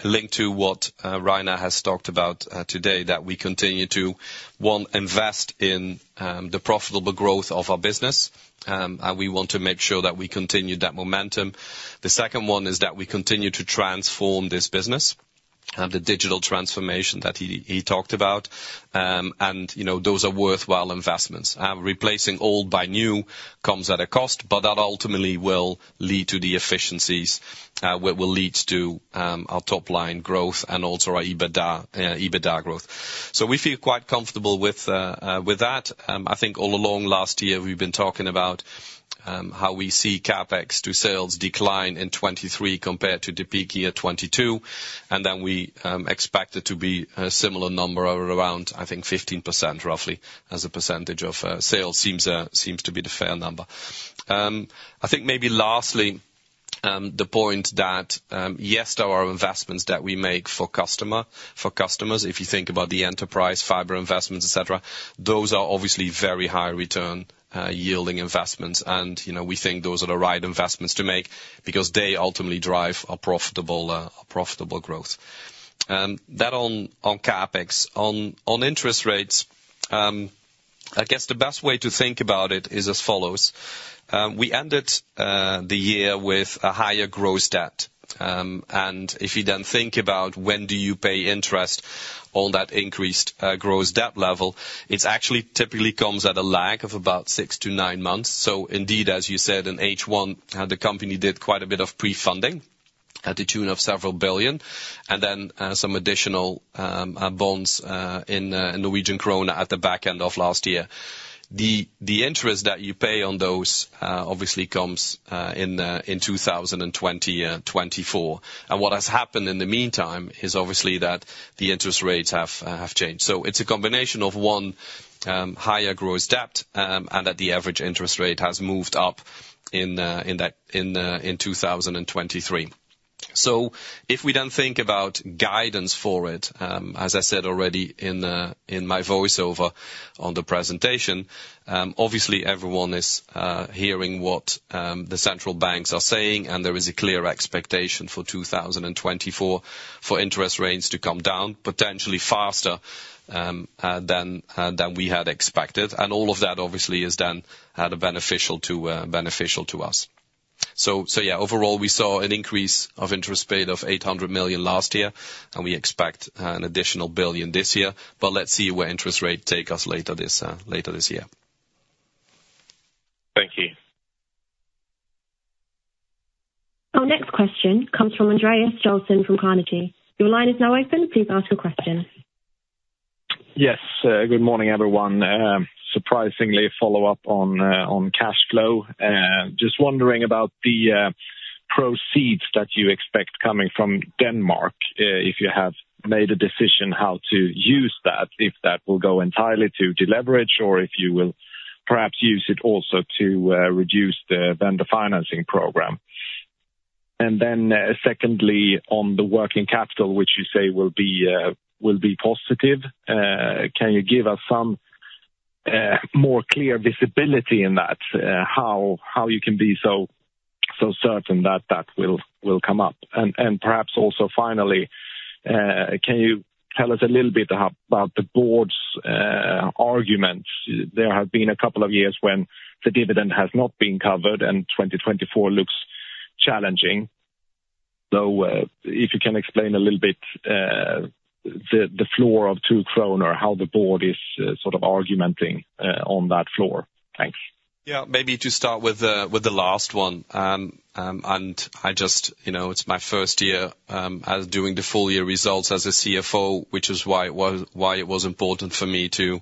linked to what Rainer has talked about today, that we continue to one, invest in the profitable growth of our business, and we want to make sure that we continue that momentum. The second one is that we continue to transform this business and the digital transformation that he, he talked about. And, you know, those are worthwhile investments. Replacing old by new comes at a cost, but that ultimately will lead to the efficiencies, what will lead to our top line growth and also our EBITDA, EBITDA growth. So we feel quite comfortable with that. I think all along last year, we've been talking about how we see CapEx to sales decline in 2023 compared to the peak year, 2022. And then we expect it to be a similar number around, I think, 15%, roughly, as a percentage of sales seems, seems to be the fair number. I think maybe lastly, the point that yes, there are investments that we make for customer, for customers. If you think about the enterprise, fiber investments, et cetera, those are obviously very high return yielding investments. And, you know, we think those are the right investments to make because they ultimately drive a profitable, a profitable growth. That on, on CapEx. On interest rates, I guess the best way to think about it is as follows: We ended the year with a higher gross debt. And if you then think about when do you pay interest, all that increased gross debt level, it's actually typically comes at a lag of about six to nine months. So indeed, as you said, in H1, the company did quite a bit of pre-funding to the tune of several billion SEK, and then some additional bonds in Norwegian kroner at the back end of last year. The interest that you pay on those obviously comes in 2024. And what has happened in the meantime is obviously that the interest rates have changed. So it's a combination of, one, higher gross debt, and that the average interest rate has moved up in 2023. So if we then think about guidance for it, as I said already in my voiceover on the presentation, obviously everyone is hearing what the central banks are saying, and there is a clear expectation for 2024 for interest rates to come down, potentially faster than we had expected. And all of that, obviously, is then beneficial to us. So yeah, overall, we saw an increase of interest paid of 800 million last year, and we expect an additional 1 billion this year. But let's see where interest rate take us later this year. Thank you. Our next question comes from Andrea Johnson from Carnegie. Your line is now open. Please ask your question. Yes, good morning, everyone. Surprisingly, a follow-up on cash flow. Just wondering about the proceeds that you expect coming from Denmark, if you have made a decision how to use that, if that will go entirely to deleverage, or if you will perhaps use it also to reduce the vendor financing program. And then, secondly, on the working capital, which you say will be positive, can you give us some more clear visibility in that? How you can be so certain that that will come up. And perhaps also, finally, can you tell us a little bit about the board's arguments? There have been a couple of years when the dividend has not been covered, and 2024 looks challenging. If you can explain a little bit the floor of 2 crown, or how the board is sort of arguing on that floor. Thanks. Yeah, maybe to start with the last one. And I just, you know, it's my first year as doing the full year results as a CFO, which is why it was, why it was important for me to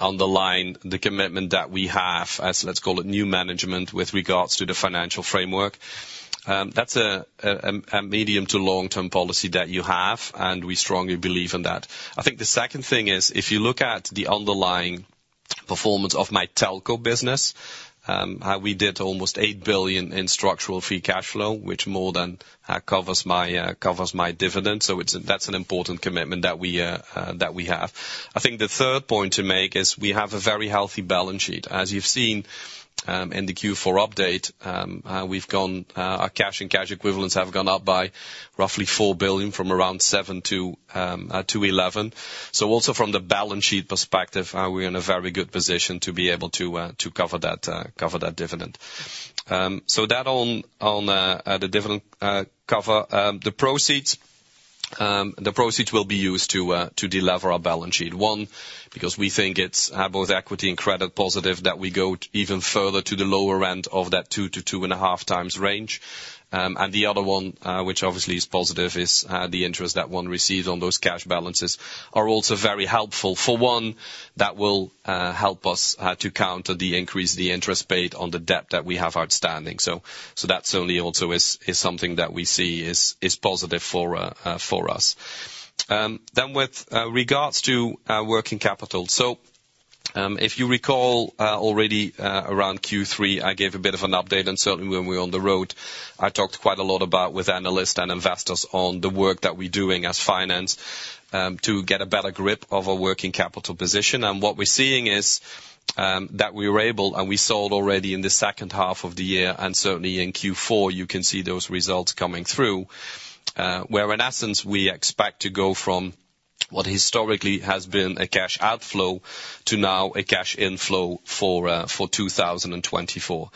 underline the commitment that we have as, let's call it, new management with regards to the financial framework. That's a medium to long-term policy that you have, and we strongly believe in that. I think the second thing is, if you look at the underlying performance of my telco business, we did almost 8 billion in structural free cash flow, which more than covers my dividend. So it's, that's an important commitment that we have. I think the third point to make is we have a very healthy balance sheet. As you've seen, in the Q4 update, we've gone, our cash and cash equivalents have gone up by roughly 4 billion, from around 7-11 billion. So also from the balance sheet perspective, we're in a very good position to be able to to cover that cover that dividend. So that on on the dividend cover. The proceeds the proceeds will be used to to delever our balance sheet. One, because we think it's both equity and credit positive that we go even further to the lower end of that 2-2.5x range. And the other one which obviously is positive is the interest that one receives on those cash balances are also very helpful. For one, that will help us to counter the increase the interest paid on the debt that we have outstanding. So, that certainly also is something that we see is positive for us. Then with regards to our working capital. So, if you recall, already around Q3, I gave a bit of an update, and certainly when we're on the road, I talked quite a lot about with analysts and investors on the work that we're doing as finance to get a better grip of our working capital position. And what we're seeing is that we were able, and we sold already in the second half of the year, and certainly in Q4, you can see those results coming through. Where in essence, we expect to go from what historically has been a cash outflow to now a cash inflow for 2024.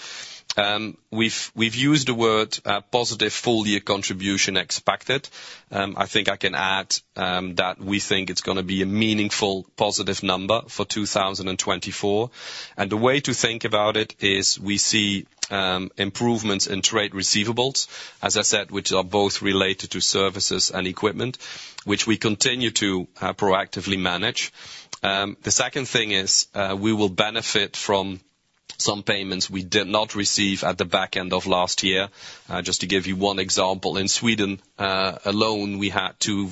We've used the word positive full year contribution expected. I think I can add that we think it's gonna be a meaningful positive number for 2024. And the way to think about it is we see improvements in trade receivables, as I said, which are both related to services and equipment, which we continue to proactively manage. The second thing is, we will benefit from some payments we did not receive at the back end of last year. Just to give you one example, in Sweden alone, we had two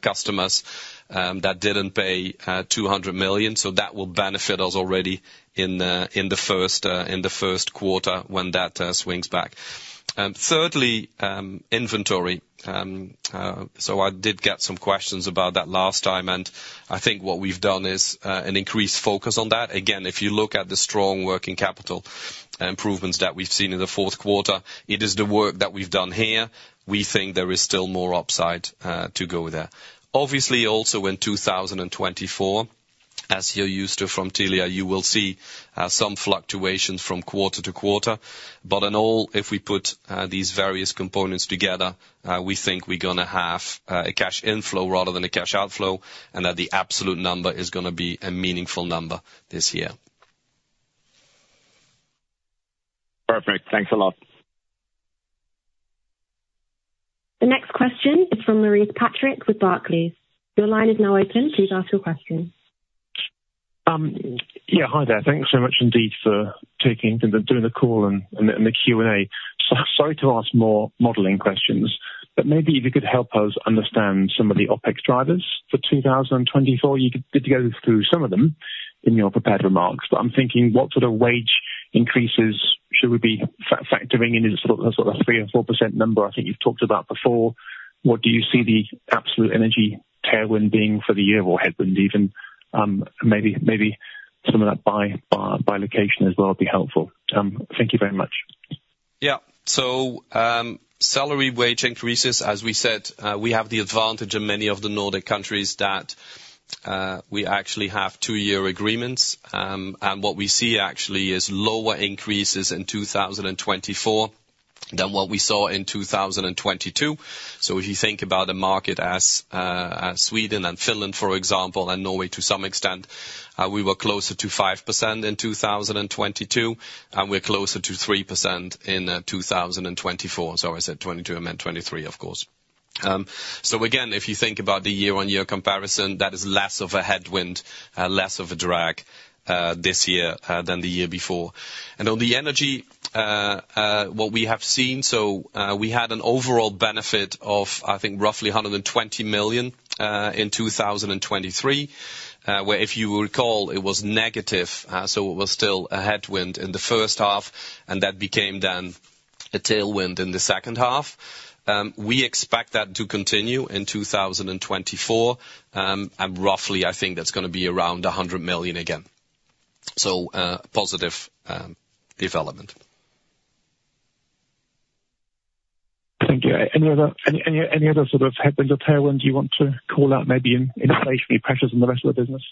customers that didn't pay 200 million, so that will benefit us already in the first quarter when that swings back. Thirdly, inventory. So I did get some questions about that last time, and I think what we've done is an increased focus on that. Again, if you look at the strong working capital improvements that we've seen in the fourth quarter, it is the work that we've done here. We think there is still more upside to go there. Obviously, also in 2024... as you're used to from Telia, you will see some fluctuations from quarter-to-quarter. But in all, if we put these various components together, we think we're gonna have a cash inflow rather than a cash outflow, and that the absolute number is gonna be a meaningful number this year. Perfect. Thanks a lot. The next question is from Maurice Patrick with Barclays. Your line is now open. Please ask your question. Yeah, hi there. Thank you so much indeed for taking, for doing the call and the Q&A. So sorry to ask more modeling questions, but maybe if you could help us understand some of the OpEx drivers for 2024. You did go through some of them in your prepared remarks, but I'm thinking what sort of wage increases should we be factoring in, in sort of the sort of 3%-4% number I think you've talked about before? What do you see the absolute energy tailwind being for the year, or headwind even? Maybe some of that by location as well would be helpful. Thank you very much. Yeah. So, salary wage increases, as we said, we have the advantage in many of the Nordic countries that we actually have two-year agreements. And what we see actually is lower increases in 2024 than what we saw in 2022. So if you think about the market as Sweden and Finland, for example, and Norway to some extent, we were closer to 5% in 2022, and we're closer to 3% in 2024. Sorry, I said '22, I meant '23, of course. So again, if you think about the year-on-year comparison, that is less of a headwind, less of a drag, this year, than the year before. On the energy, what we have seen, so, we had an overall benefit of, I think, roughly 120 million in 2023. Where if you recall, it was negative, so it was still a headwind in the first half, and that became then a tailwind in the second half. We expect that to continue in 2024, and roughly, I think that's gonna be around 100 million again. So, positive development. Thank you. Any other sort of headwind or tailwind you want to call out, maybe in inflationary pressures on the rest of the business?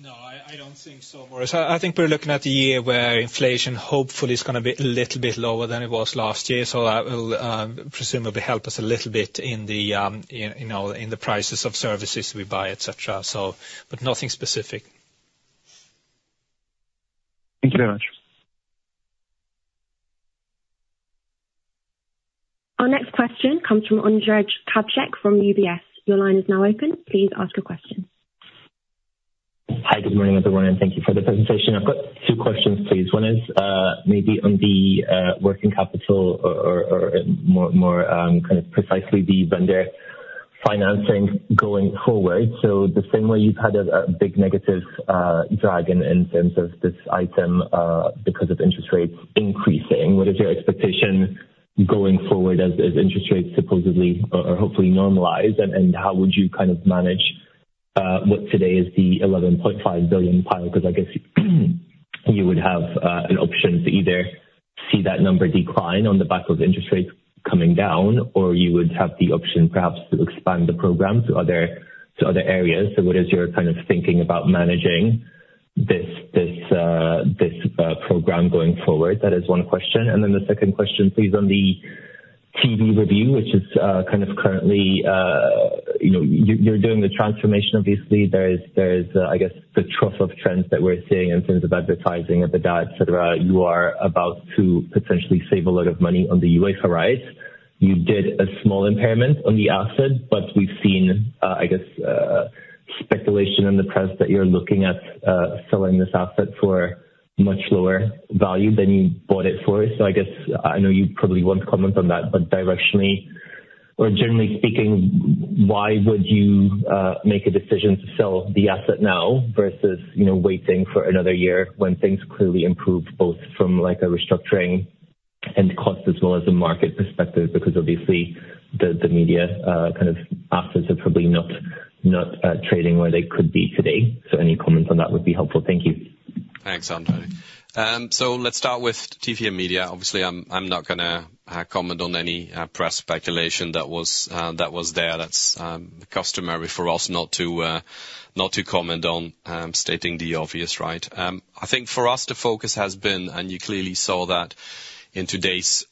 No, I don't think so, Maurice. I think we're looking at a year where inflation hopefully is gonna be a little bit lower than it was last year, so that will, presumably help us a little bit in the, you know, in the prices of services we buy, et cetera, so but nothing specific. Thank you very much. Our next question comes from Ondrej Cabejšek from UBS. Your line is now open. Please ask a question. Hi, good morning, everyone, and thank you for the presentation. I've got two questions, please. One is, maybe on the working capital or more, kind of precisely the vendor financing going forward. So the same way you've had a big negative drag in terms of this item because of interest rates increasing, what is your expectation going forward as interest rates supposedly or hopefully normalize? And how would you kind of manage what today is the 11.5 billion pile? Because I guess, you would have an option to either see that number decline on the back of interest rates coming down, or you would have the option perhaps to expand the program to other areas. So what is your kind of thinking about managing this program going forward? That is one question. And then the second question, please, on the TV review, which is kind of currently, you know. You're doing the transformation, obviously. There is the trough of trends that we're seeing in terms of advertising, EBITDA, et cetera. You are about to potentially save a lot of money on the UEFA horizon. You did a small impairment on the asset, but we've seen, I guess, speculation in the press that you're looking at selling this asset for much lower value than you bought it for. So I guess, I know you probably won't comment on that, but directionally or generally speaking, why would you make a decision to sell the asset now versus, you know, waiting for another year, when things clearly improve, both from like a restructuring and cost as well as a market perspective? Because obviously the media kind of assets are probably not trading where they could be today. So any comments on that would be helpful. Thank you. Thanks, Ondrej. So let's start with TV and Media. Obviously, I'm not gonna comment on any press speculation that was there. That's customary for us not to comment on, stating the obvious, right? I think for us, the focus has been, and you clearly saw that in today's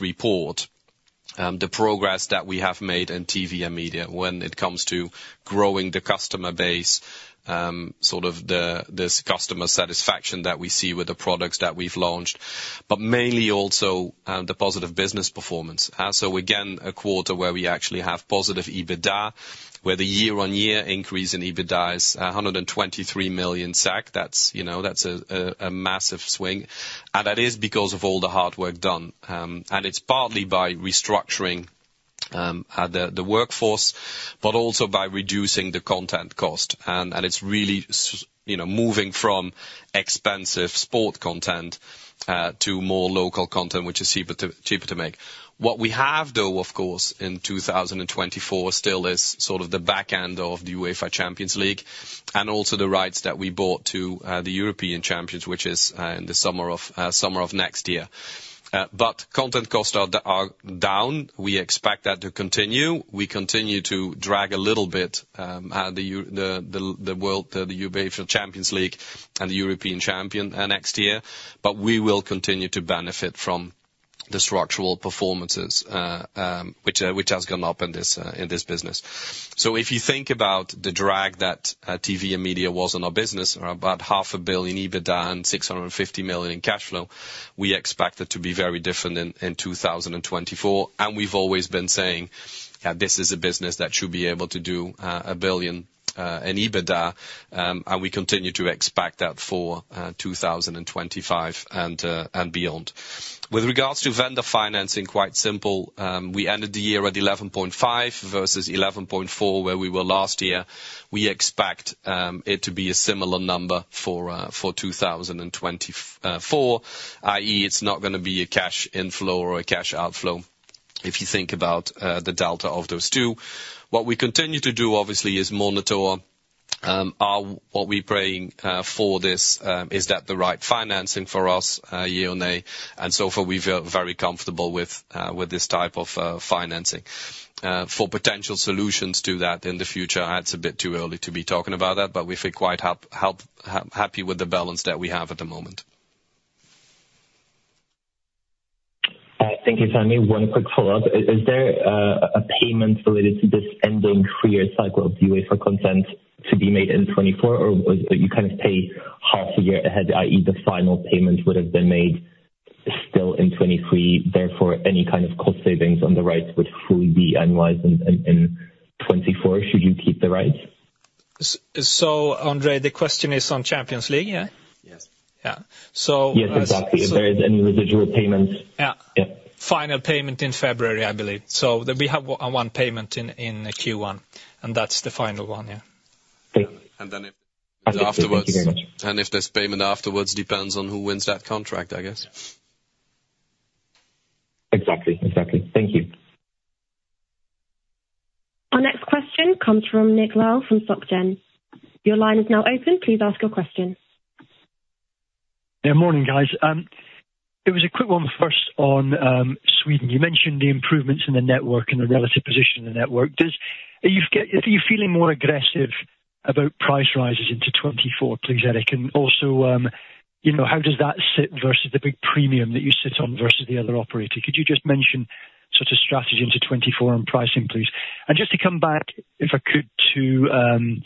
report, the progress that we have made in TV and Media when it comes to growing the customer base, sort of this customer satisfaction that we see with the products that we've launched, but mainly also the positive business performance. So again, a quarter where we actually have positive EBITDA, where the year-on-year increase in EBITDA is 123 million. That's, you know, that's a massive swing, and that is because of all the hard work done. And it's partly by restructuring the workforce, but also by reducing the content cost. And it's really you know, moving from expensive sport content to more local content, which is cheaper to, cheaper to make. What we have, though, of course, in 2024, still is sort of the back end of the UEFA Champions League, and also the rights that we bought to the European Champions, which is in the summer of next year. But content costs are down. We expect that to continue. We continue to drag a little bit, the UEFA Champions League and the European Champion next year, but we will continue to benefit from the structural performances, which has gone up in this business. So if you think about the drag that TV and Media was in our business, about 500 million EBITDA and 650 million in cash flow, we expect it to be very different in 2024. And we've always been saying that this is a business that should be able to do 1 billion in EBITDA, and we continue to expect that for 2025 and beyond. With regards to vendor financing, quite simple, we ended the year at 11.5 versus 11.4, where we were last year. We expect it to be a similar number for 2024, i.e., it's not gonna be a cash inflow or a cash outflow, if you think about the delta of those two. What we continue to do, obviously, is monitor what we paying for this, is that the right financing for us year on year, and so far, we feel very comfortable with this type of financing. For potential solutions to that in the future, it's a bit too early to be talking about that, but we feel quite happy with the balance that we have at the moment. Thank you, Tommy. One quick follow-up. Is there a payment related to this ending three-year cycle of UEFA content to be made in 2024, or you kind of pay half a year ahead, i.e., the final payment would have been made still in 2023, therefore, any kind of cost savings on the rights would fully be annualized in 2024, should you keep the rights? So, Ondrej, the question is on Champions League, yeah? Yes. Yeah. So- Yes, exactly. If there is any residual payments. Yeah. Yeah. Final payment in February, I believe. So we have one payment in Q1, and that's the final one, yeah. Great. And then afterwards- Thank you very much. If this payment afterwards depends on who wins that contract, I guess. Exactly. Exactly. Thank you. Our next question comes from Nick Lau, from Soc Gen. Your line is now open. Please ask your question. Yeah, morning, guys. It was a quick one first on Sweden. You mentioned the improvements in the network and the relative position in the network. Are you feeling more aggressive about price rises into 2024, please, Eric? And also, you know, how does that sit versus the big premium that you sit on versus the other operator? Could you just mention such a strategy into 2024 on pricing, please? And just to come back, if I could, to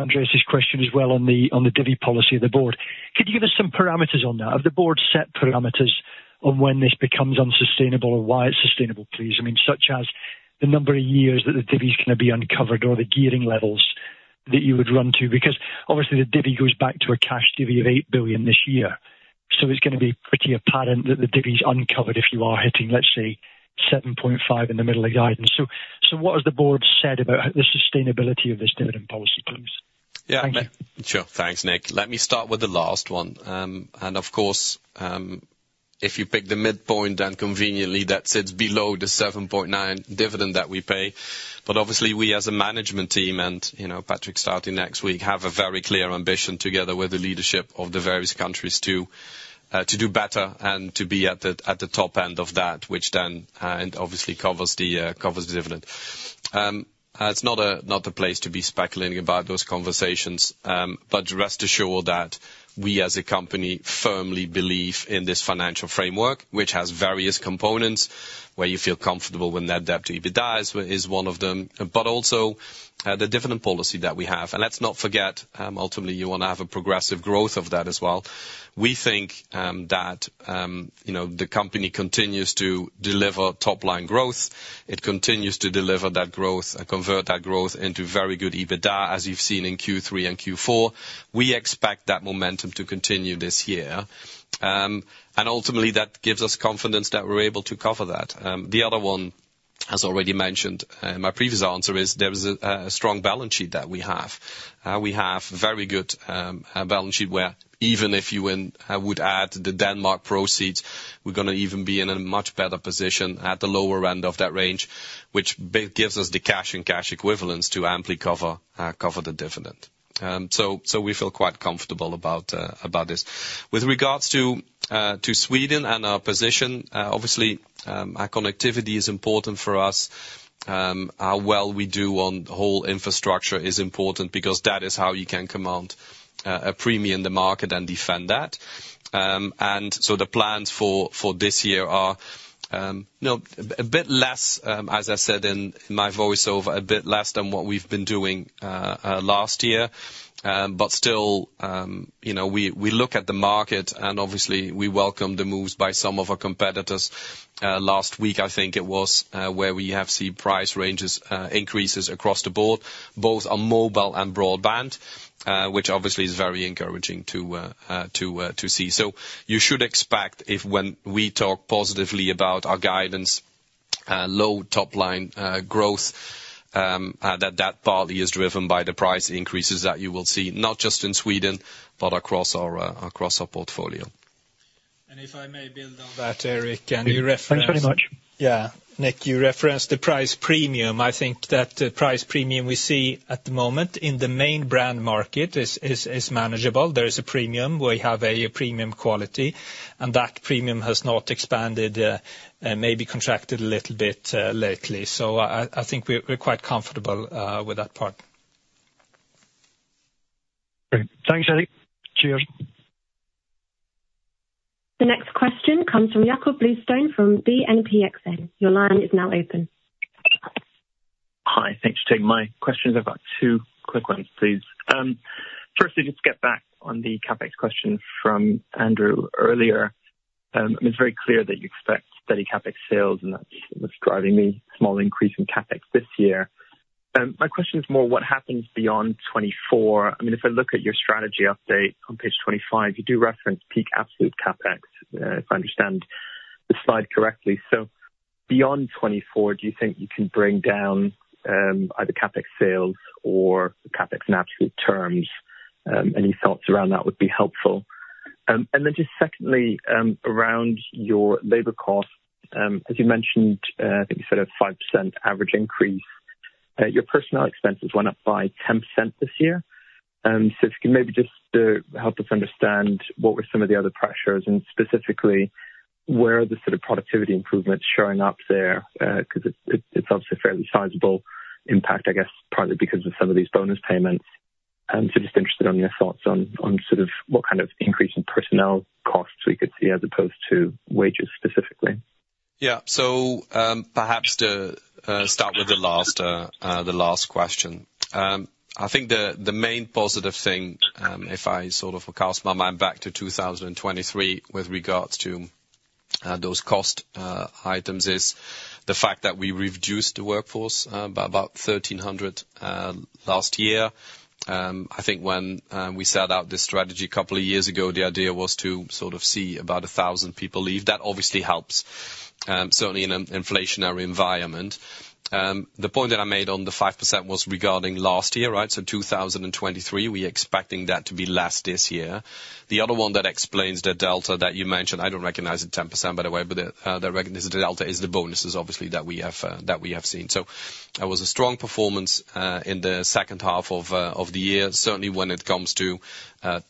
Andreas' question as well on the divi policy of the board. Could you give us some parameters on that? Have the board set parameters on when this becomes unsustainable or why it's sustainable, please? I mean, such as the number of years that the divi is gonna be uncovered or the gearing levels that you would run to, because obviously the divi goes back to a cash divi of 8 billion this year. So it's gonna be pretty apparent that the divi is uncovered if you are hitting, let's say, 7.5 in the middle of the guidance. So, so what has the board said about the sustainability of this dividend policy, please? Yeah. Thank you. Sure. Thanks, Nick. Let me start with the last one. Of course, if you pick the midpoint, then conveniently that sits below the 7.9 dividend that we pay. But obviously, we as a management team and, you know, Patrick, starting next week, have a very clear ambition, together with the leadership of the various countries, to do better and to be at the top end of that, which then, and obviously, covers the dividend. It's not the place to be speculating about those conversations, but rest assured that we, as a company, firmly believe in this financial framework, which has various components, where you feel comfortable when Net Debt to EBITDA is one of them, but also the dividend policy that we have. Let's not forget, ultimately, you wanna have a progressive growth of that as well. We think that, you know, the company continues to deliver top-line growth. It continues to deliver that growth and convert that growth into very good EBITDA, as you've seen in Q3 and Q4. We expect that momentum to continue this year. Ultimately, that gives us confidence that we're able to cover that. The other one, as already mentioned in my previous answer, is a strong balance sheet that we have. We have very good balance sheet, where even if you include, I would add the Denmark proceeds, we're gonna even be in a much better position at the lower end of that range, which gives us the cash and cash equivalence to amply cover the dividend. So we feel quite comfortable about this. With regards to Sweden and our position, obviously, our connectivity is important for us. How well we do on the whole infrastructure is important because that is how you can command a premium in the market and defend that. And so the plans for this year are, you know, a bit less, as I said in my voiceover, a bit less than what we've been doing last year. But still, you know, we look at the market, and obviously we welcome the moves by some of our competitors. Last week, I think it was, where we have seen price ranges increases across the board, both on mobile and broadband, which obviously is very encouraging to see. So you should expect if when we talk positively about our guidance, low top line growth, that partly is driven by the price increases that you will see, not just in Sweden, but across our portfolio. If I may build on that, Eric, can you reference- Thanks very much. Yeah. Nick, you referenced the price premium. I think that the price premium we see at the moment in the main brand market is manageable. There is a premium. We have a premium quality, and that premium has not expanded, and maybe contracted a little bit lately. So I think we're quite comfortable with that part.... Great. Thanks, Eric. Cheers! The next question comes from Jakob Bluestone from BNP Exane. Your line is now open. Hi. Thanks for taking my questions. I've got two quick ones, please. Firstly, just get back on the CapEx question from Andrew earlier. It's very clear that you expect steady CapEx sales, and that's what's driving the small increase in CapEx this year. My question is more what happens beyond 2024? I mean, if I look at your strategy update on page 25, you do reference peak absolute CapEx, if I understand the slide correctly. So beyond 2024, do you think you can bring down, either CapEx sales or CapEx in absolute terms? Any thoughts around that would be helpful. And then just secondly, around your labor costs, as you mentioned, I think you said a 5% average increase. Your personnel expenses went up by 10% this year. So if you can maybe just help us understand what were some of the other pressures, and specifically, where are the sort of productivity improvements showing up there? 'Cause it's, it's obviously a fairly sizable impact, I guess, partly because of some of these bonus payments. So just interested on your thoughts on, on sort of what kind of increase in personnel costs we could see as opposed to wages specifically. Yeah. So, perhaps to start with the last question. I think the main positive thing, if I sort of cast my mind back to 2023 with regards to those cost items, is the fact that we reduced the workforce by about 1,300 last year. I think when we set out this strategy a couple of years ago, the idea was to sort of see about 1,000 people leave. That obviously helps, certainly in an inflationary environment. The point that I made on the 5% was regarding last year, right? So 2023. We're expecting that to be less this year. The other one that explains the delta that you mentioned, I don't recognize the 10%, by the way, but, the recognition delta is the bonuses, obviously, that we have, that we have seen. So that was a strong performance, in the second half of, of the year, certainly when it comes to,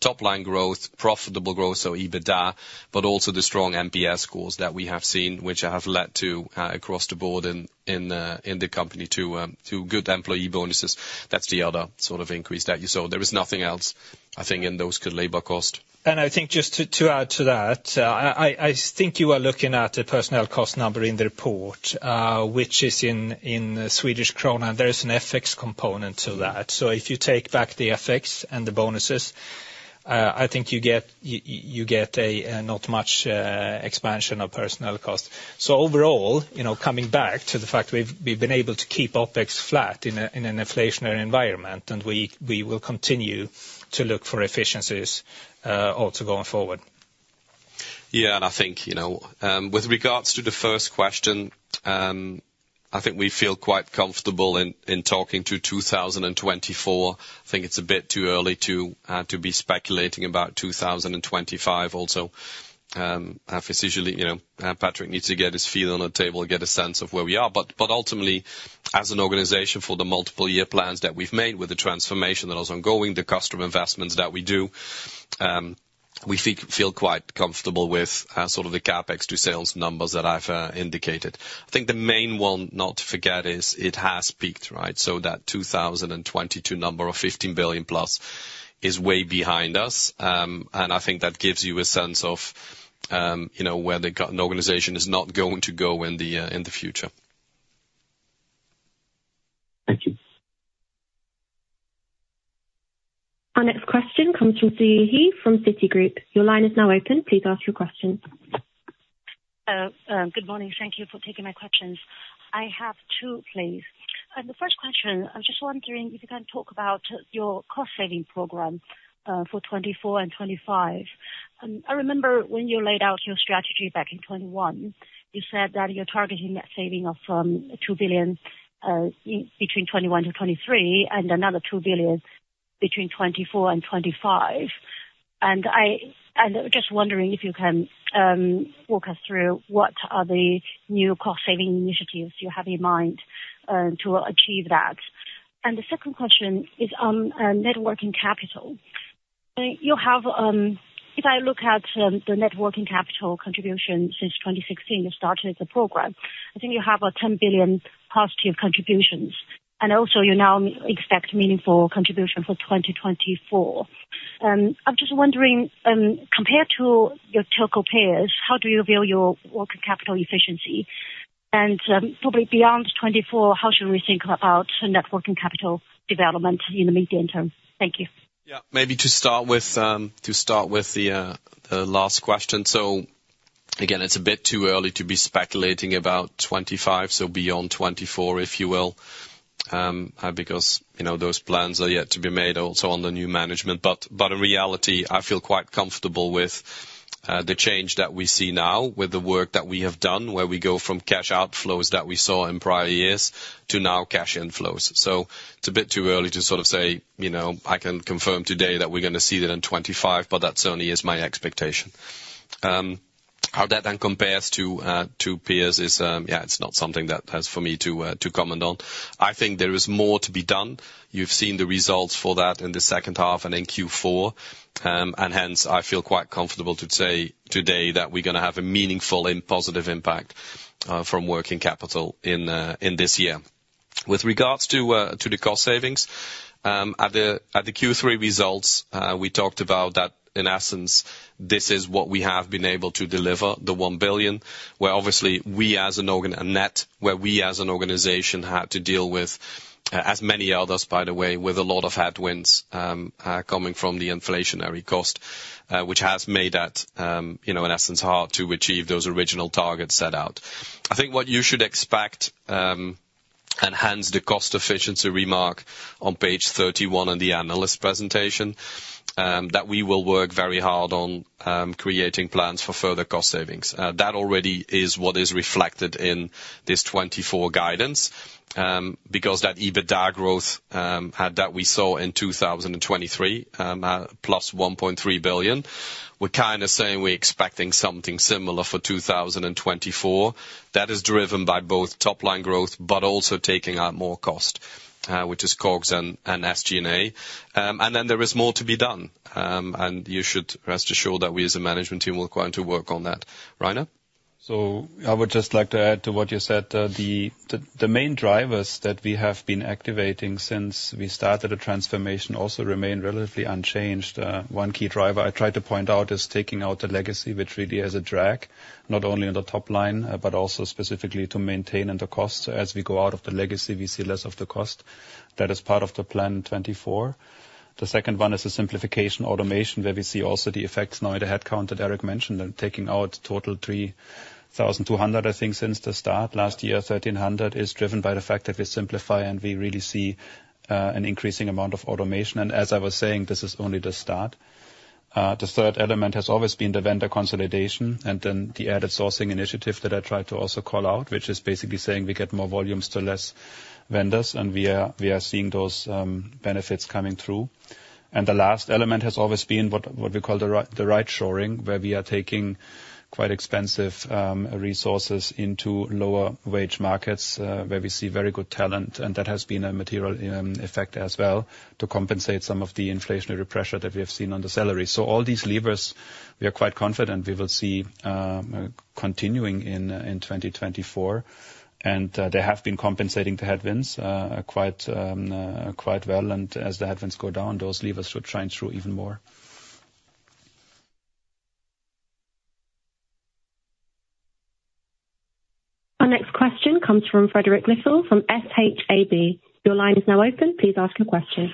top line growth, profitable growth, so EBITDA, but also the strong NPS scores that we have seen, which have led to, across the board in, in the company to, to good employee bonuses. That's the other sort of increase that you saw. There is nothing else, I think, in those labor costs. And I think just to add to that, I think you are looking at the personnel cost number in the report, which is in Swedish krona, there is an FX component to that. So if you take back the FX and the bonuses, I think you get a not much expansion of personnel costs. So overall, you know, coming back to the fact we've been able to keep OpEx flat in an inflationary environment, and we will continue to look for efficiencies also going forward. Yeah, and I think, you know, with regards to the first question, I think we feel quite comfortable in, in talking to 2024. I think it's a bit too early to, to be speculating about 2025 also. Officially, you know, Patrik needs to get his feet on the table to get a sense of where we are. But, but ultimately, as an organization for the multiple year plans that we've made with the transformation that is ongoing, the customer investments that we do, we feel quite comfortable with, sort of the CapEx to sales numbers that I've, indicated. I think the main one not to forget is it has peaked, right? So that 2022 number of 15 billion+ is way behind us. And I think that gives you a sense of, you know, where an organization is not going to go in the future. Thank you. Our next question comes from Siyu He from Citigroup. Your line is now open. Please ask your question. Good morning. Thank you for taking my questions. I have two, please. The first question, I'm just wondering if you can talk about your cost-saving program for 2024 and 2025. I remember when you laid out your strategy back in 2021, you said that you're targeting that saving of 2 billion between 2021 to 2023, and another 2 billion between 2024 and 2025. And just wondering if you can walk us through what are the new cost-saving initiatives you have in mind to achieve that? And the second question is on working capital. You have... If I look at the working capital contribution since 2016, you started the program, I think you have a 10 billion positive contribution, and also you now expect meaningful contribution for 2024. I'm just wondering, compared to your total peers, how do you view your working capital efficiency? And, probably beyond 2024, how should we think about net working capital development in the medium term? Thank you. Yeah, maybe to start with the last question. So again, it's a bit too early to be speculating about 2025, so beyond 2024, if you will, because, you know, those plans are yet to be made also on the new management. But in reality, I feel quite comfortable with the change that we see now with the work that we have done, where we go from cash outflows that we saw in prior years to now cash inflows. So it's a bit too early to sort of say, you know, I can confirm today that we're going to see that in 2025, but that certainly is my expectation. How that then compares to peers is, yeah, it's not something that has for me to comment on. I think there is more to be done. You've seen the results for that in the second half and in Q4, and hence, I feel quite comfortable to say today that we're gonna have a meaningful and positive impact from working capital in this year. With regards to the cost savings, at the Q3 results, we talked about that, in essence, this is what we have been able to deliver, the 1 billion. Where obviously we as an organization had to deal with, as many others, by the way, with a lot of headwinds coming from the inflationary cost, which has made that, you know, in essence, hard to achieve those original targets set out. I think what you should expect, and hence the cost efficiency remark on page 31 on the analyst presentation, that we will work very hard on, creating plans for further cost savings. That already is what is reflected in this 2024 guidance, because that EBITDA growth, that we saw in 2023, plus 1.3 billion, we're kind of saying we're expecting something similar for 2024. That is driven by both top line growth, but also taking out more cost, which is COGS and, and SG&A. And then there is more to be done, and you should rest assured that we as a management team will go on to work on that. Rainer? So I would just like to add to what you said. The main drivers that we have been activating since we started the transformation also remain relatively unchanged. One key driver I tried to point out is taking out the legacy, which really is a drag, not only on the top line, but also specifically to maintain under costs. As we go out of the legacy, we see less of the cost. That is part of the plan 2024. The second one is the simplification automation, where we see also the effects now in the head count that Eric mentioned, and taking out total 3,200, I think, since the start last year. 1,300 is driven by the fact that we simplify and we really see an increasing amount of automation. And as I was saying, this is only the start. The third element has always been the vendor consolidation and then the added sourcing initiative that I tried to also call out, which is basically saying we get more volumes to less vendors, and we are seeing those benefits coming through. And the last element has always been what we call the right shoring, where we are taking quite expensive resources into lower wage markets, where we see very good talent. And that has been a material effect as well to compensate some of the inflationary pressure that we have seen on the salary. So all these levers, we are quite confident we will see continuing in 2024. And they have been compensating the headwinds quite well, and as the headwinds go down, those levers should shine through even more. Our next question comes from Frederick Lindell from Saab. Your line is now open. Please ask your question.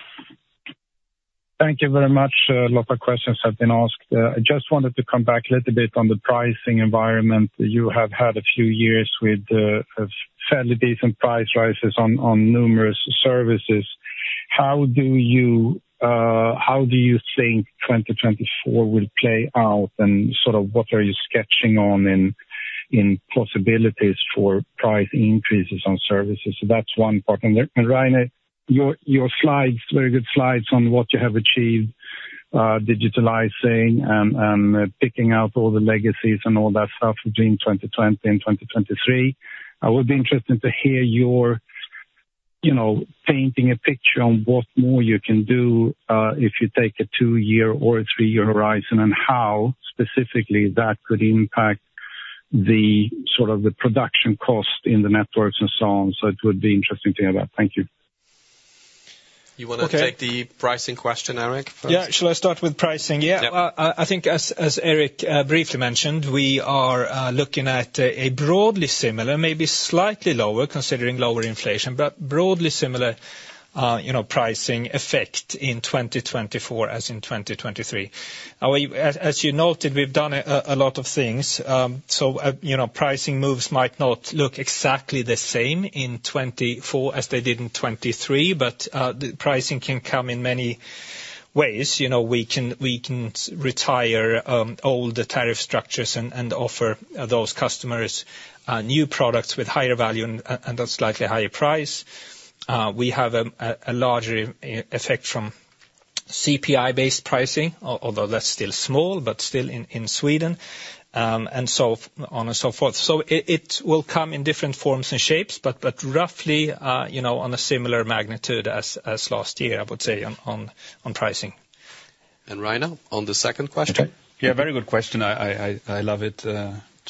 Thank you very much. A lot of questions have been asked. I just wanted to come back a little bit on the pricing environment. You have had a few years with fairly decent price rises on numerous services. How do you, how do you think 2024 will play out? And sort of what are you sketching on in possibilities for price increases on services? So that's one part. And, Rainer, your slides, very good slides on what you have achieved, digitalizing and picking out all the legacies and all that stuff between 2020 and 2023. I would be interested to hear your, you know, painting a picture on what more you can do, if you take a two-year or a three-year horizon, and how specifically that could impact the sort of the production cost in the networks and so on. It would be interesting to hear that. Thank you. You want to take the pricing question, Eric, first? Yeah. Shall I start with pricing? Yeah. Well, I think as Eric briefly mentioned, we are looking at a broadly similar, maybe slightly lower, considering lower inflation, but broadly similar, you know, pricing effect in 2024 as in 2023. Now, as you noted, we've done a lot of things. So, you know, pricing moves might not look exactly the same in 2024 as they did in 2023, but the pricing can come in many ways. You know, we can retire all the tariff structures and offer those customers new products with higher value and a slightly higher price. We have a larger effect from CPI-based pricing, although that's still small, but still in Sweden, and so on and so forth. So it will come in different forms and shapes, but roughly, you know, on a similar magnitude as last year, I would say, on pricing. And Rainer, on the second question? Yeah, very good question. I love it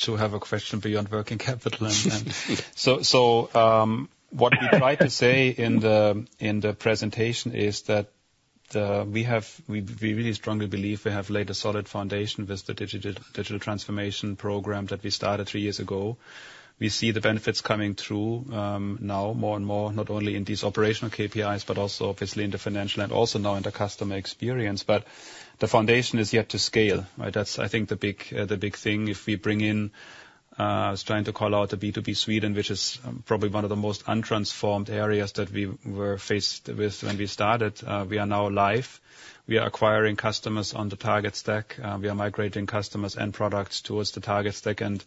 to have a question beyond working capital. So, what we try to say in the presentation is that, we really strongly believe we have laid a solid foundation with the digital transformation program that we started three years ago. We see the benefits coming through, now more and more, not only in these operational KPIs, but also obviously in the financial and also now in the customer experience. But the foundation is yet to scale, right? That's, I think, the big thing. If we bring in, I was trying to call out the B2B Sweden, which is, probably one of the most untransformed areas that we were faced with when we started. We are now live. We are acquiring customers on the target stack. We are migrating customers and products towards the target stack, and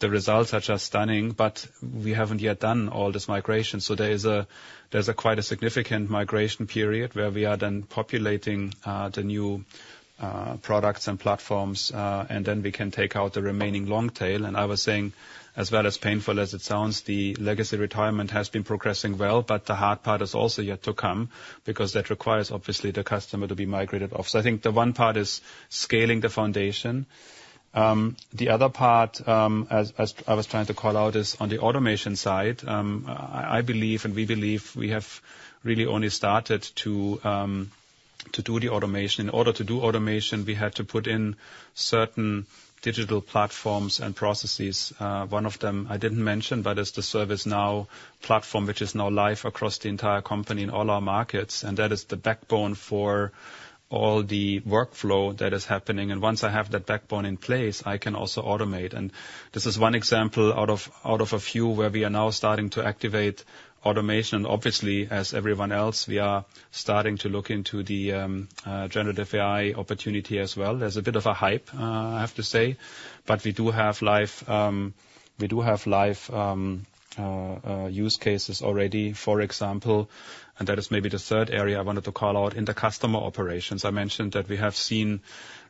the results are just stunning. But we haven't yet done all this migration, so there is quite a significant migration period where we are then populating the new products and platforms, and then we can take out the remaining long tail. And I was saying, as well as painful as it sounds, the legacy retirement has been progressing well, but the hard part is also yet to come because that requires obviously the customer to be migrated off. So I think the one part is scaling the foundation. The other part, as I was trying to call out, is on the automation side. I believe, and we believe, we have really only started to-... to do the automation. In order to do automation, we had to put in certain digital platforms and processes. One of them I didn't mention, but it's the ServiceNow platform, which is now live across the entire company in all our markets, and that is the backbone for all the workflow that is happening. And once I have that backbone in place, I can also automate. And this is one example out of a few where we are now starting to activate automation. Obviously, as everyone else, we are starting to look into the generative AI opportunity as well. There's a bit of a hype, I have to say, but we do have live use cases already. For example, and that is maybe the third area I wanted to call out, in the customer operations. I mentioned that we have seen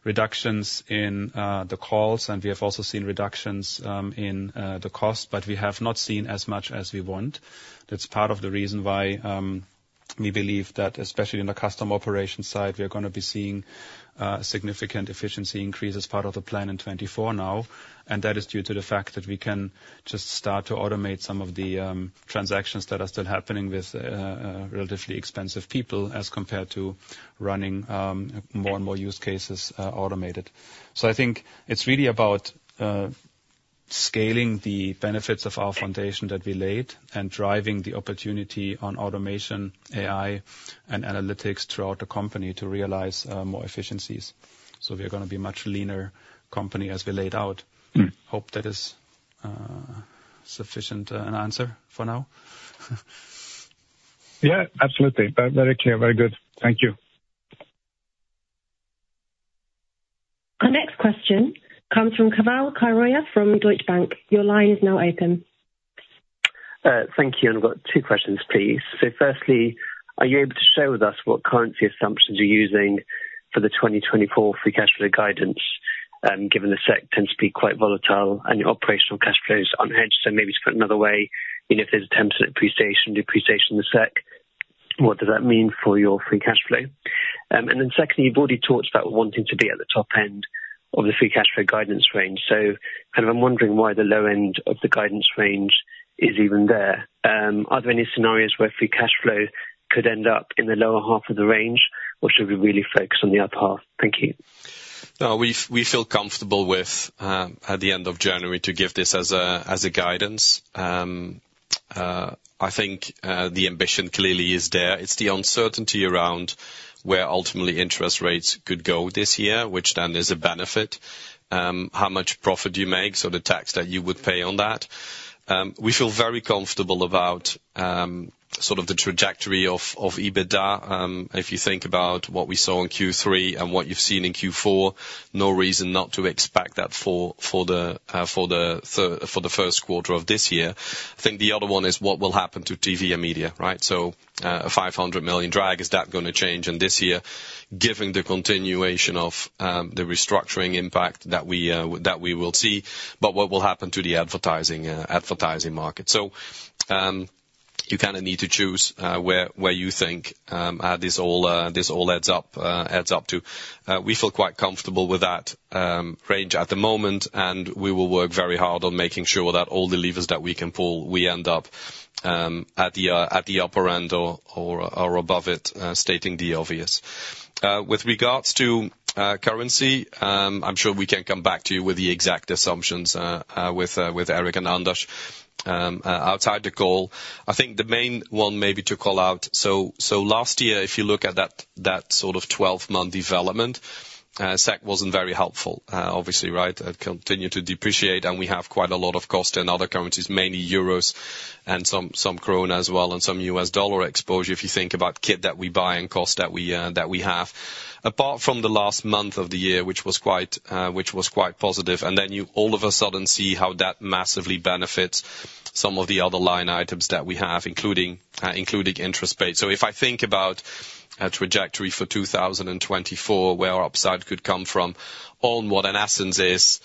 reductions in the calls, and we have also seen reductions in the cost, but we have not seen as much as we want. That's part of the reason why we believe that especially in the customer operation side, we are gonna be seeing significant efficiency increase as part of the plan in 2024 now, and that is due to the fact that we can just start to automate some of the transactions that are still happening with relatively expensive people as compared to running more and more use cases automated. So I think it's really about scaling the benefits of our foundation that we laid, and driving the opportunity on automation, AI, and analytics throughout the company to realize more efficiencies. So we are gonna be a much leaner company as we laid out. Hope that is sufficient an answer for now. Yeah, absolutely. Very, very clear. Very good. Thank you. Our next question comes from Keval Khiroya from Deutsche Bank. Your line is now open. Thank you, and I've got two questions, please. So firstly, are you able to share with us what currency assumptions you're using for the 2024 free cash flow guidance, given the SEK tends to be quite volatile and your operational cash flow is unhedged? So maybe to put it another way, even if there's a 10% appreciation, depreciation in the SEK, what does that mean for your free cash flow? And then secondly, you've already talked about wanting to be at the top end of the free cash flow guidance range. So kind of I'm wondering why the low end of the guidance range is even there. Are there any scenarios where free cash flow could end up in the lower half of the range, or should we really focus on the upper half? Thank you. We feel comfortable with at the end of January to give this as a guidance. I think the ambition clearly is there. It's the uncertainty around where ultimately interest rates could go this year, which then is a benefit. How much profit you make, so the tax that you would pay on that. We feel very comfortable about sort of the trajectory of EBITDA. If you think about what we saw in Q3 and what you've seen in Q4, no reason not to expect that for the first quarter of this year. I think the other one is what will happen to TV and Media, right? So, a 500 million drag, is that gonna change in this year, given the continuation of the restructuring impact that we will see, but what will happen to the advertising market? So, you kind of need to choose where you think this all adds up to. We feel quite comfortable with that range at the moment, and we will work very hard on making sure that all the levers that we can pull, we end up at the upper end or above it, stating the obvious. With regards to currency, I'm sure we can come back to you with the exact assumptions with Eric and Anders outside the call. I think the main one maybe to call out. So last year, if you look at that, that sort of 12-month development, SEK wasn't very helpful, obviously, right? It continued to depreciate, and we have quite a lot of cost in other currencies, mainly euros and some krone as well, and some US dollar exposure, if you think about kit that we buy and cost that we, that we have. Apart from the last month of the year, which was quite, which was quite positive, and then you all of a sudden see how that massively benefits some of the other line items that we have, including, including interest paid. So if I think about a trajectory for 2024, where our upside could come from, on what in essence is,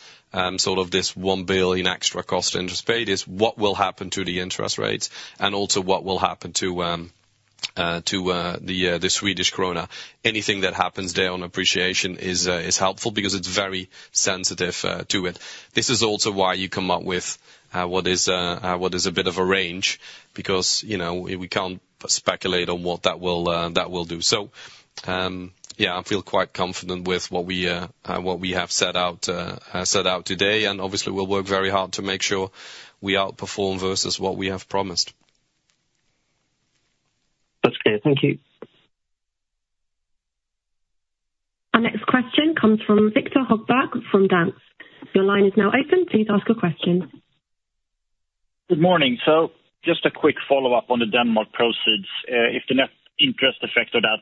sort of this 1 billion extra cost interest paid, is what will happen to the interest rates and also what will happen to the Swedish krona. Anything that happens there on appreciation is helpful because it's very sensitive to it. This is also why you come up with what is a bit of a range, because, you know, we can't speculate on what that will do. So, yeah, I feel quite confident with what we have set out today, and obviously we'll work very hard to make sure we outperform versus what we have promised. That's clear. Thank you. Our next question comes from Victor Högberg, from Danske. Your line is now open. Please ask a question. Good morning. So just a quick follow-up on the Denmark proceeds. If the net interest effect of that,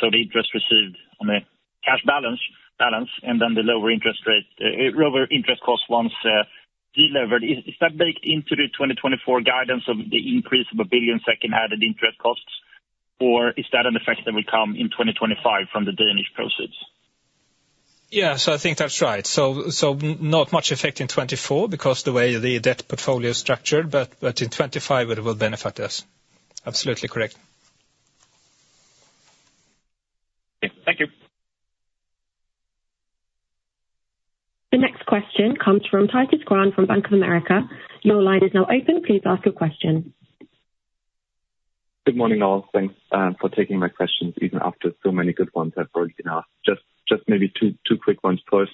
so the interest received on the cash balance, and then the lower interest rate, lower interest cost once delivered, is that baked into the 2024 guidance of the increase of 1 billion added interest costs, or is that an effect that will come in 2025 from the Danish proceeds? Yeah, so I think that's right. So not much effect in 2024 because the way the debt portfolio is structured, but in 2025 it will benefit us. Absolutely correct. Thank you. The next question comes from Titus Krahn from Bank of America. Your line is now open. Please ask your question. Good morning, all. Thanks for taking my questions, even after so many good ones have already been asked. Just maybe two quick ones. First,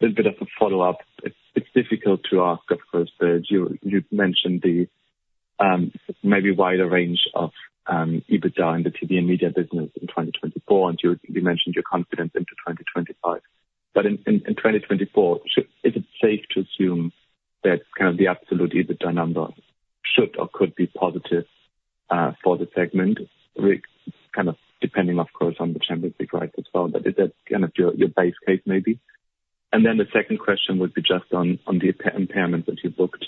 a little bit of a follow-up. It's difficult to ask, of course, but you've mentioned the maybe wider range of EBITDA in the TV and Media business in 2024, and you mentioned your confidence into 2025. But in 2024, so is it safe to assume that kind of the absolute EBITDA number should or could be positive for the segment, kind of depending, of course, on the Champions League rights as well, but is that kind of your base case, maybe? And then the second question would be just on the impairments that you booked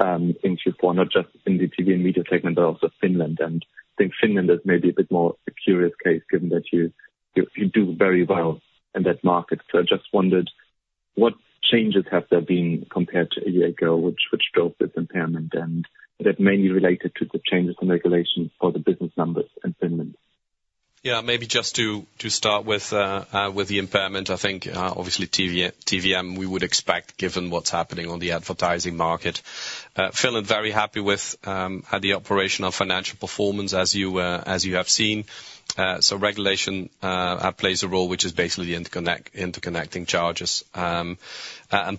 in Q4, not just in the TV and Media segment, but also Finland. I think Finland is maybe a bit more a curious case, given that you do very well in that market. So I just wondered, what changes have there been compared to a year ago, which drove this impairment, and is that mainly related to the changes in regulation or the business numbers in Finland? Yeah, maybe just to start with the impairment, I think obviously TV, TVM, we would expect, given what's happening on the advertising market. Finland, very happy with the operational financial performance, as you have seen. So regulation plays a role, which is basically interconnecting charges. And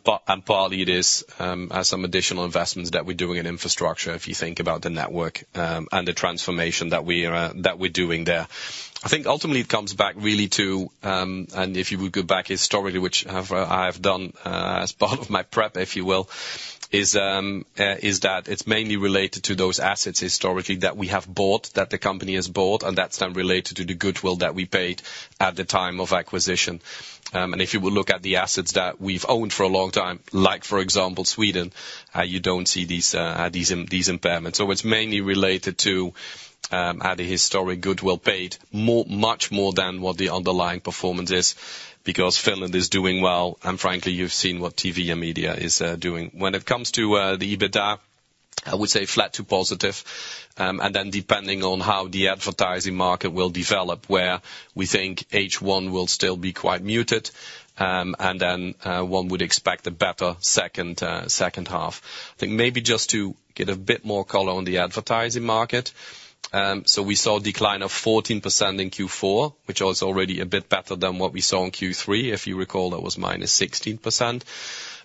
partly it is some additional investments that we're doing in infrastructure, if you think about the network and the transformation that we're doing there. I think ultimately it comes back really to, and if you would go back historically, which I've done, as part of my prep, if you will, is that it's mainly related to those assets historically that we have bought, that the company has bought, and that's then related to the goodwill that we paid at the time of acquisition. And if you would look at the assets that we've owned for a long time, like for example, Sweden, you don't see these, these impairments. So it's mainly related to, the historic goodwill paid more, much more than what the underlying performance is, because Finland is doing well, and frankly, you've seen what TV and Media is doing. When it comes to the EBITDA, I would say flat to positive, and then depending on how the advertising market will develop, where we think H1 will still be quite muted, and then one would expect a better second second half. I think maybe just to get a bit more color on the advertising market, so we saw a decline of 14% in Q4, which was already a bit better than what we saw in Q3. If you recall, that was -16%.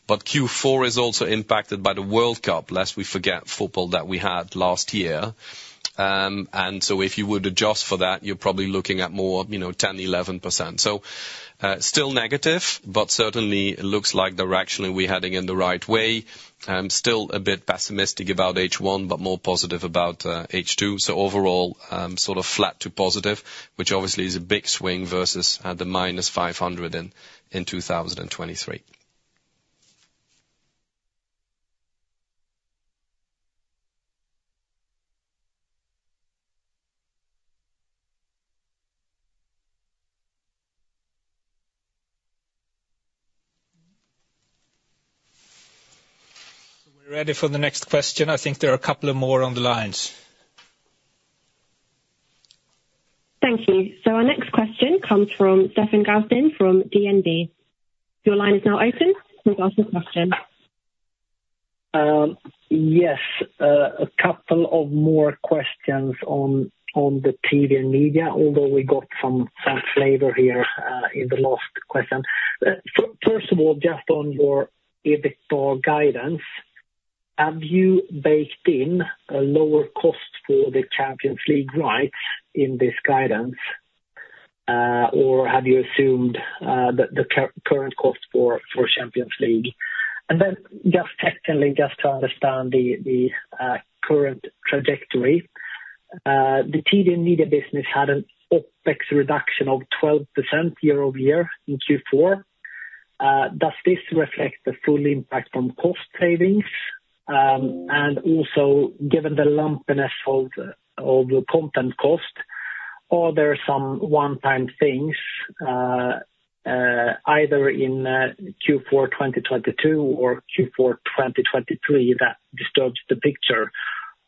But Q4 is also impacted by the World Cup, lest we forget, football that we had last year. And so if you would adjust for that, you're probably looking at more, you know, 10, 11%. So, still negative, but certainly it looks like directionally we're heading in the right way. Still a bit pessimistic about H1, but more positive about H2. So overall, sort of flat to positive, which obviously is a big swing versus the -500 in 2023. We're ready for the next question. I think there are a couple of more on the lines. Thank you. So our next question comes from Stefan Gauffin from DNB. Your line is now open. You can ask your question. Yes, a couple of more questions on the TV and Media business, although we got some flavor here in the last question. First of all, just on your EBITDA guidance, have you baked in a lower cost for the Champions League rights in this guidance, or have you assumed the current cost for Champions League? And then just technically, just to understand the current trajectory, the TV and Media business had an OpEx reduction of 12% year-over-year in Q4. Does this reflect the full impact on cost savings, and also, given the lumpiness of the content cost, are there some one-time things either in Q4 2022 or Q4 2023 that disturbs the picture,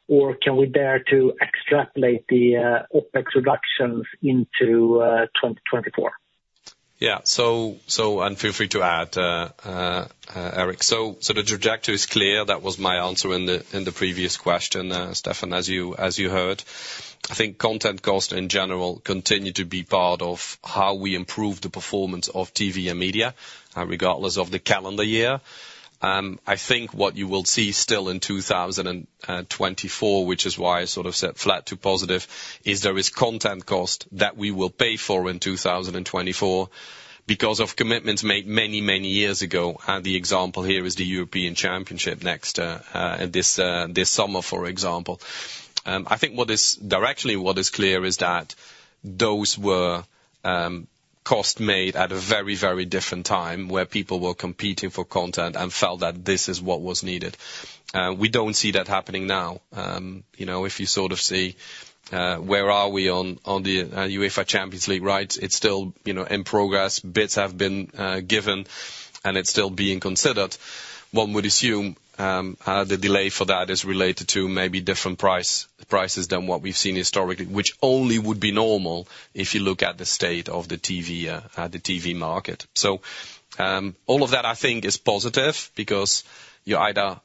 or can we dare to extrapolate the OpEx reductions into 2024? Yeah. So, and feel free to add, Eric. So the trajectory is clear. That was my answer in the previous question, Stefan, as you heard. I think content cost, in general, continue to be part of how we improve the performance of TV and Media, regardless of the calendar year. I think what you will see still in 2024, which is why I sort of said flat to positive, is there is content cost that we will pay for in 2024 because of commitments made many, many years ago. And the example here is the European Championship next, this summer, for example. I think what is, directionally, what is clear is that those were... cost made at a very, very different time, where people were competing for content and felt that this is what was needed. We don't see that happening now. You know, if you sort of see where are we on the UEFA Champions League, right? It's still, you know, in progress, bids have been given, and it's still being considered. One would assume the delay for that is related to maybe different price, prices than what we've seen historically, which only would be normal if you look at the state of the TV, the TV market. So, all of that, I think, is positive, because you either,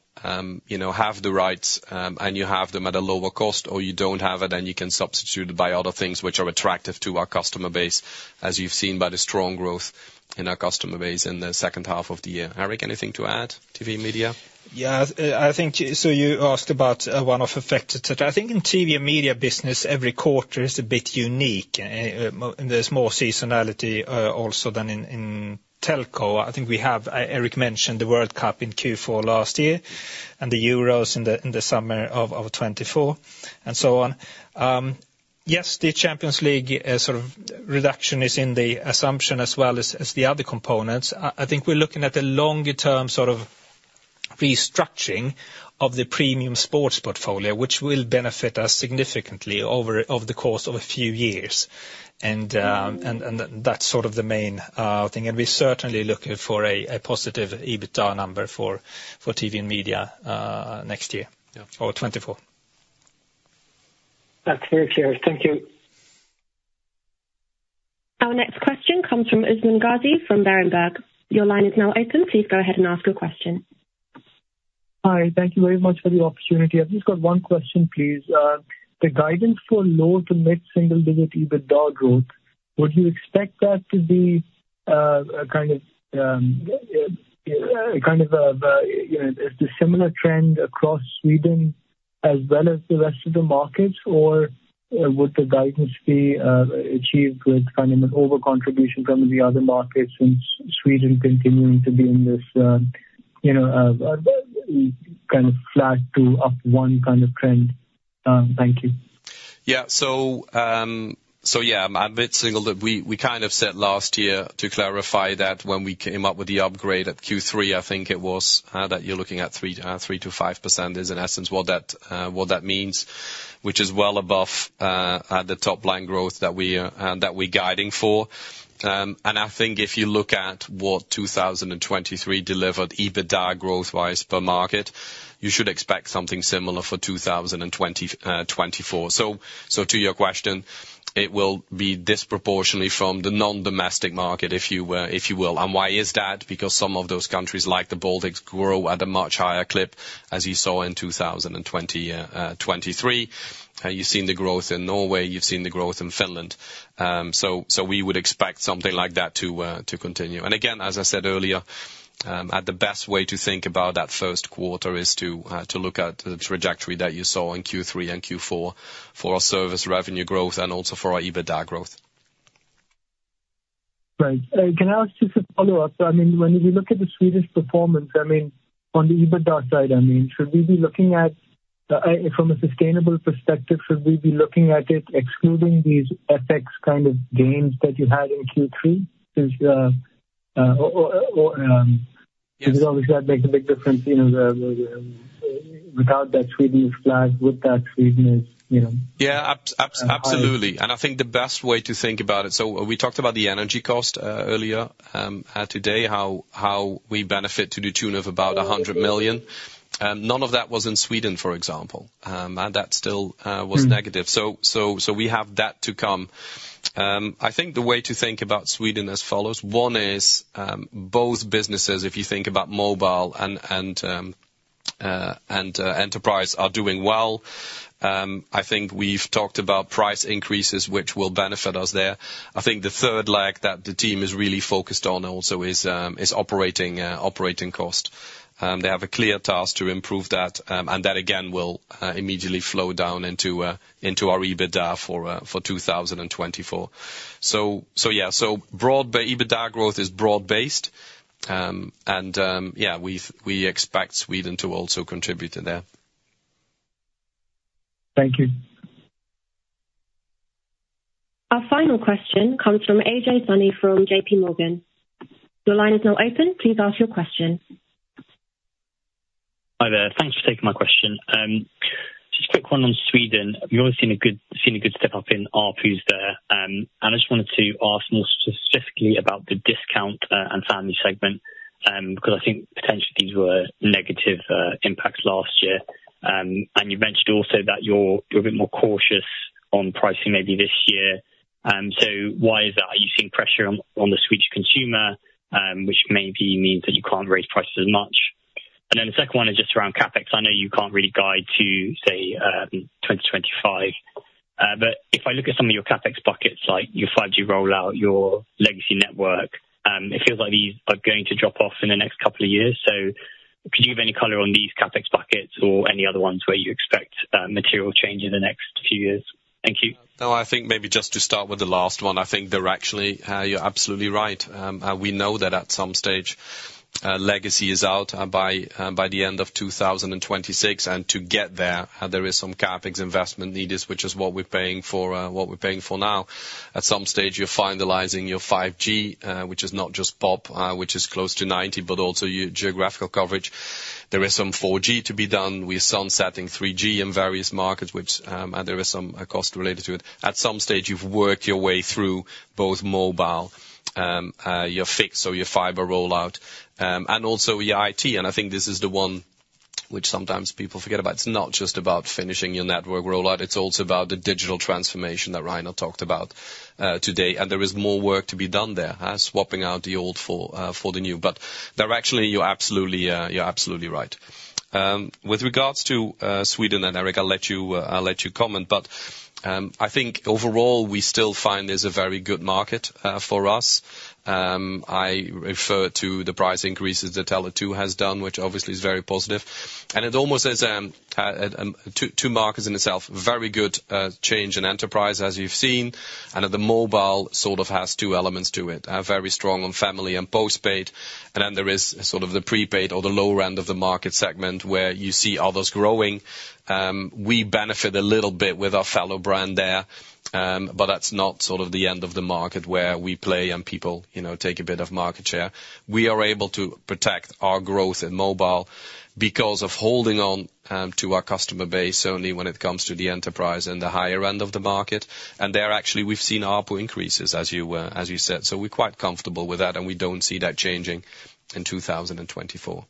you know, have the rights, and you have them at a lower cost, or you don't have it and you can substitute by other things which are attractive to our customer base, as you've seen by the strong growth in our customer base in the second half of the year. Eric, anything to add, TV and Media? Yeah, I think so you asked about one-off effects. I think in TV and Media business, every quarter is a bit unique, and there's more seasonality also than in telco. I think we have, Eric mentioned the World Cup in Q4 last year, and the Euros in the summer of 2024, and so on. Yes, the Champions League sort of reduction is in the assumption as well as the other components. I think we're looking at the longer-term sort of restructuring of the premium sports portfolio, which will benefit us significantly over the course of a few years. And that's sort of the main thing. And we're certainly looking for a positive EBITDA number for TV and Media next year- Yeah. - or 2024. That's very clear. Thank you. Our next question comes from Usman Ghazi from Berenberg. Your line is now open. Please go ahead and ask your question. Hi. Thank you very much for the opportunity. I've just got one question, please. The guidance for low to mid-single-digit EBITDA growth, would you expect that to be a kind of, you know, a dissimilar trend across Sweden as well as the rest of the markets? Or would the guidance be achieved with kind of an over-contribution from the other markets, since Sweden continuing to be in this, you know, kind of flat to up one kind of trend? Thank you. Yeah. So, yeah, mid-single digit - we kind of said last year, to clarify that when we came up with the upgrade at Q3, I think it was, that you're looking at 3%-5% is in essence what that means, which is well above the top line growth that we are that we're guiding for. And I think if you look at what 2023 delivered, EBITDA growth wise per market, you should expect something similar for 2024. So, to your question, it will be disproportionately from the non-domestic market, if you will. And why is that? Because some of those countries, like the Baltics, grow at a much higher clip, as you saw in 2023. You've seen the growth in Norway, you've seen the growth in Finland. So we would expect something like that to continue. And again, as I said earlier, that's the best way to think about that first quarter is to look at the trajectory that you saw in Q3 and Q4 for our service revenue growth and also for our EBITDA growth. Right. Can I ask just a follow-up? I mean, when we look at the Swedish performance, I mean, on the EBITDA side, I mean, should we be looking at, from a sustainable perspective, should we be looking at it excluding these FX kind of gains that you had in Q3? Since, or, or, because obviously that makes a big difference, you know, the, without that Swedish flag, with that Swedish, you know? Yeah, absolutely. I think the best way to think about it... So we talked about the energy cost earlier today, how we benefit to the tune of about 100 million, and none of that was in Sweden, for example. And that still was negative. Mm. So we have that to come. I think the way to think about Sweden as follows: One is, both businesses, if you think about mobile and enterprise, are doing well. I think we've talked about price increases, which will benefit us there. I think the third leg that the team is really focused on also is operating cost. They have a clear task to improve that, and that again will immediately flow down into our EBITDA for 2024. So yeah, so broad, the EBITDA growth is broad based. And yeah, we expect Sweden to also contribute to that. Thank you. Our final question comes from Ajay Soni from JPMorgan. Your line is now open. Please ask your question. Hi there. Thanks for taking my question. Just a quick one on Sweden. We've always seen a good, seen a good step up in ARPU's there, and I just wanted to ask more specifically about the discount, and family segment, because I think potentially these were negative, impacts last year. And you mentioned also that you're, you're a bit more cautious on pricing maybe this year. So why is that? Are you seeing pressure on, on the Swedish consumer, which maybe means that you can't raise prices as much? And then the second one is just around CapEx. I know you can't really guide to, say, 2025, but if I look at some of your CapEx buckets, like your 5G rollout, your legacy network, it feels like these are going to drop off in the next couple of years. So could you give any color on these CapEx buckets or any other ones where you expect, material change in the next few years? Thank you. No, I think maybe just to start with the last one, I think they're actually, you're absolutely right. We know that at some stage legacy is out by the end of 2026, and to get there, there is some CapEx investment needed, which is what we're paying for, what we're paying for now. At some stage, you're finalizing your 5G, which is not just POP, which is close to 90, but also your geographical coverage. There is some 4G to be done. We're sunsetting 3G in various markets, which, and there is some cost related to it. At some stage, you've worked your way through both mobile, your fixed or your fiber rollout, and also your IT. And I think this is the one which sometimes people forget about. It's not just about finishing your network rollout, it's also about the digital transformation that Rainer talked about today, and there is more work to be done there, swapping out the old for the new. But directionally, you're absolutely, you're absolutely right. With regards to Sweden, and Eric, I'll let you, I'll let you comment, but I think overall, we still find this a very good market for us. I refer to the price increases that Tele2 has done, which obviously is very positive. And it almost is two markets in itself. Very good change in enterprise, as you've seen, and at the mobile, sort of has two elements to it, very strong on family and postpaid. Then there is sort of the prepaid or the lower end of the market segment, where you see others growing. We benefit a little bit with our Fello brand there, but that's not sort of the end of the market where we play and people, you know, take a bit of market share. We are able to protect our growth in mobile because of holding on to our customer base only when it comes to the enterprise and the higher end of the market. And there, actually, we've seen ARPU increases, as you as you said. We're quite comfortable with that, and we don't see that changing in 2024.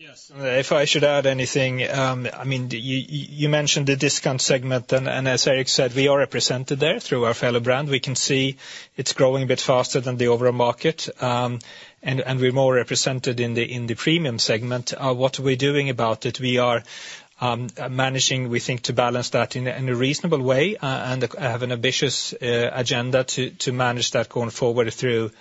Yes, if I should add anything, I mean, you mentioned the discount segment, and as Eric said, we are represented there through our Fello brand. We can see it's growing a bit faster than the overall market. And we're more represented in the premium segment. What are we doing about it? We are managing, we think, to balance that in a reasonable way, and have an ambitious agenda to manage that going forward through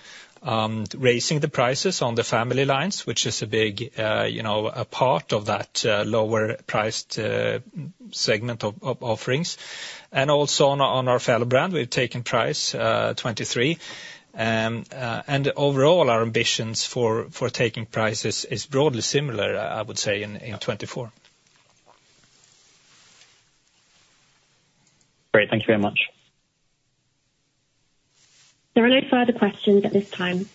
raising the prices on the family lines, which is a big, you know, a part of that lower priced segment of offerings. And also on our Fello brand, we've taken price 23. And overall, our ambitions for taking prices is broadly similar, I would say, in 2024. Great. Thank you very much. There are no further questions at this time.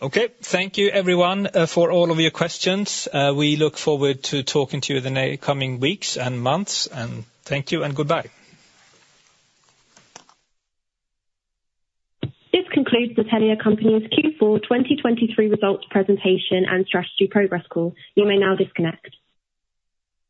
Okay. Thank you everyone, for all of your questions. We look forward to talking to you in the coming weeks and months, and thank you and goodbye. This concludes the Telia Company's Q4 2023 Results Presentation and Strategy Progress Call. You may now disconnect.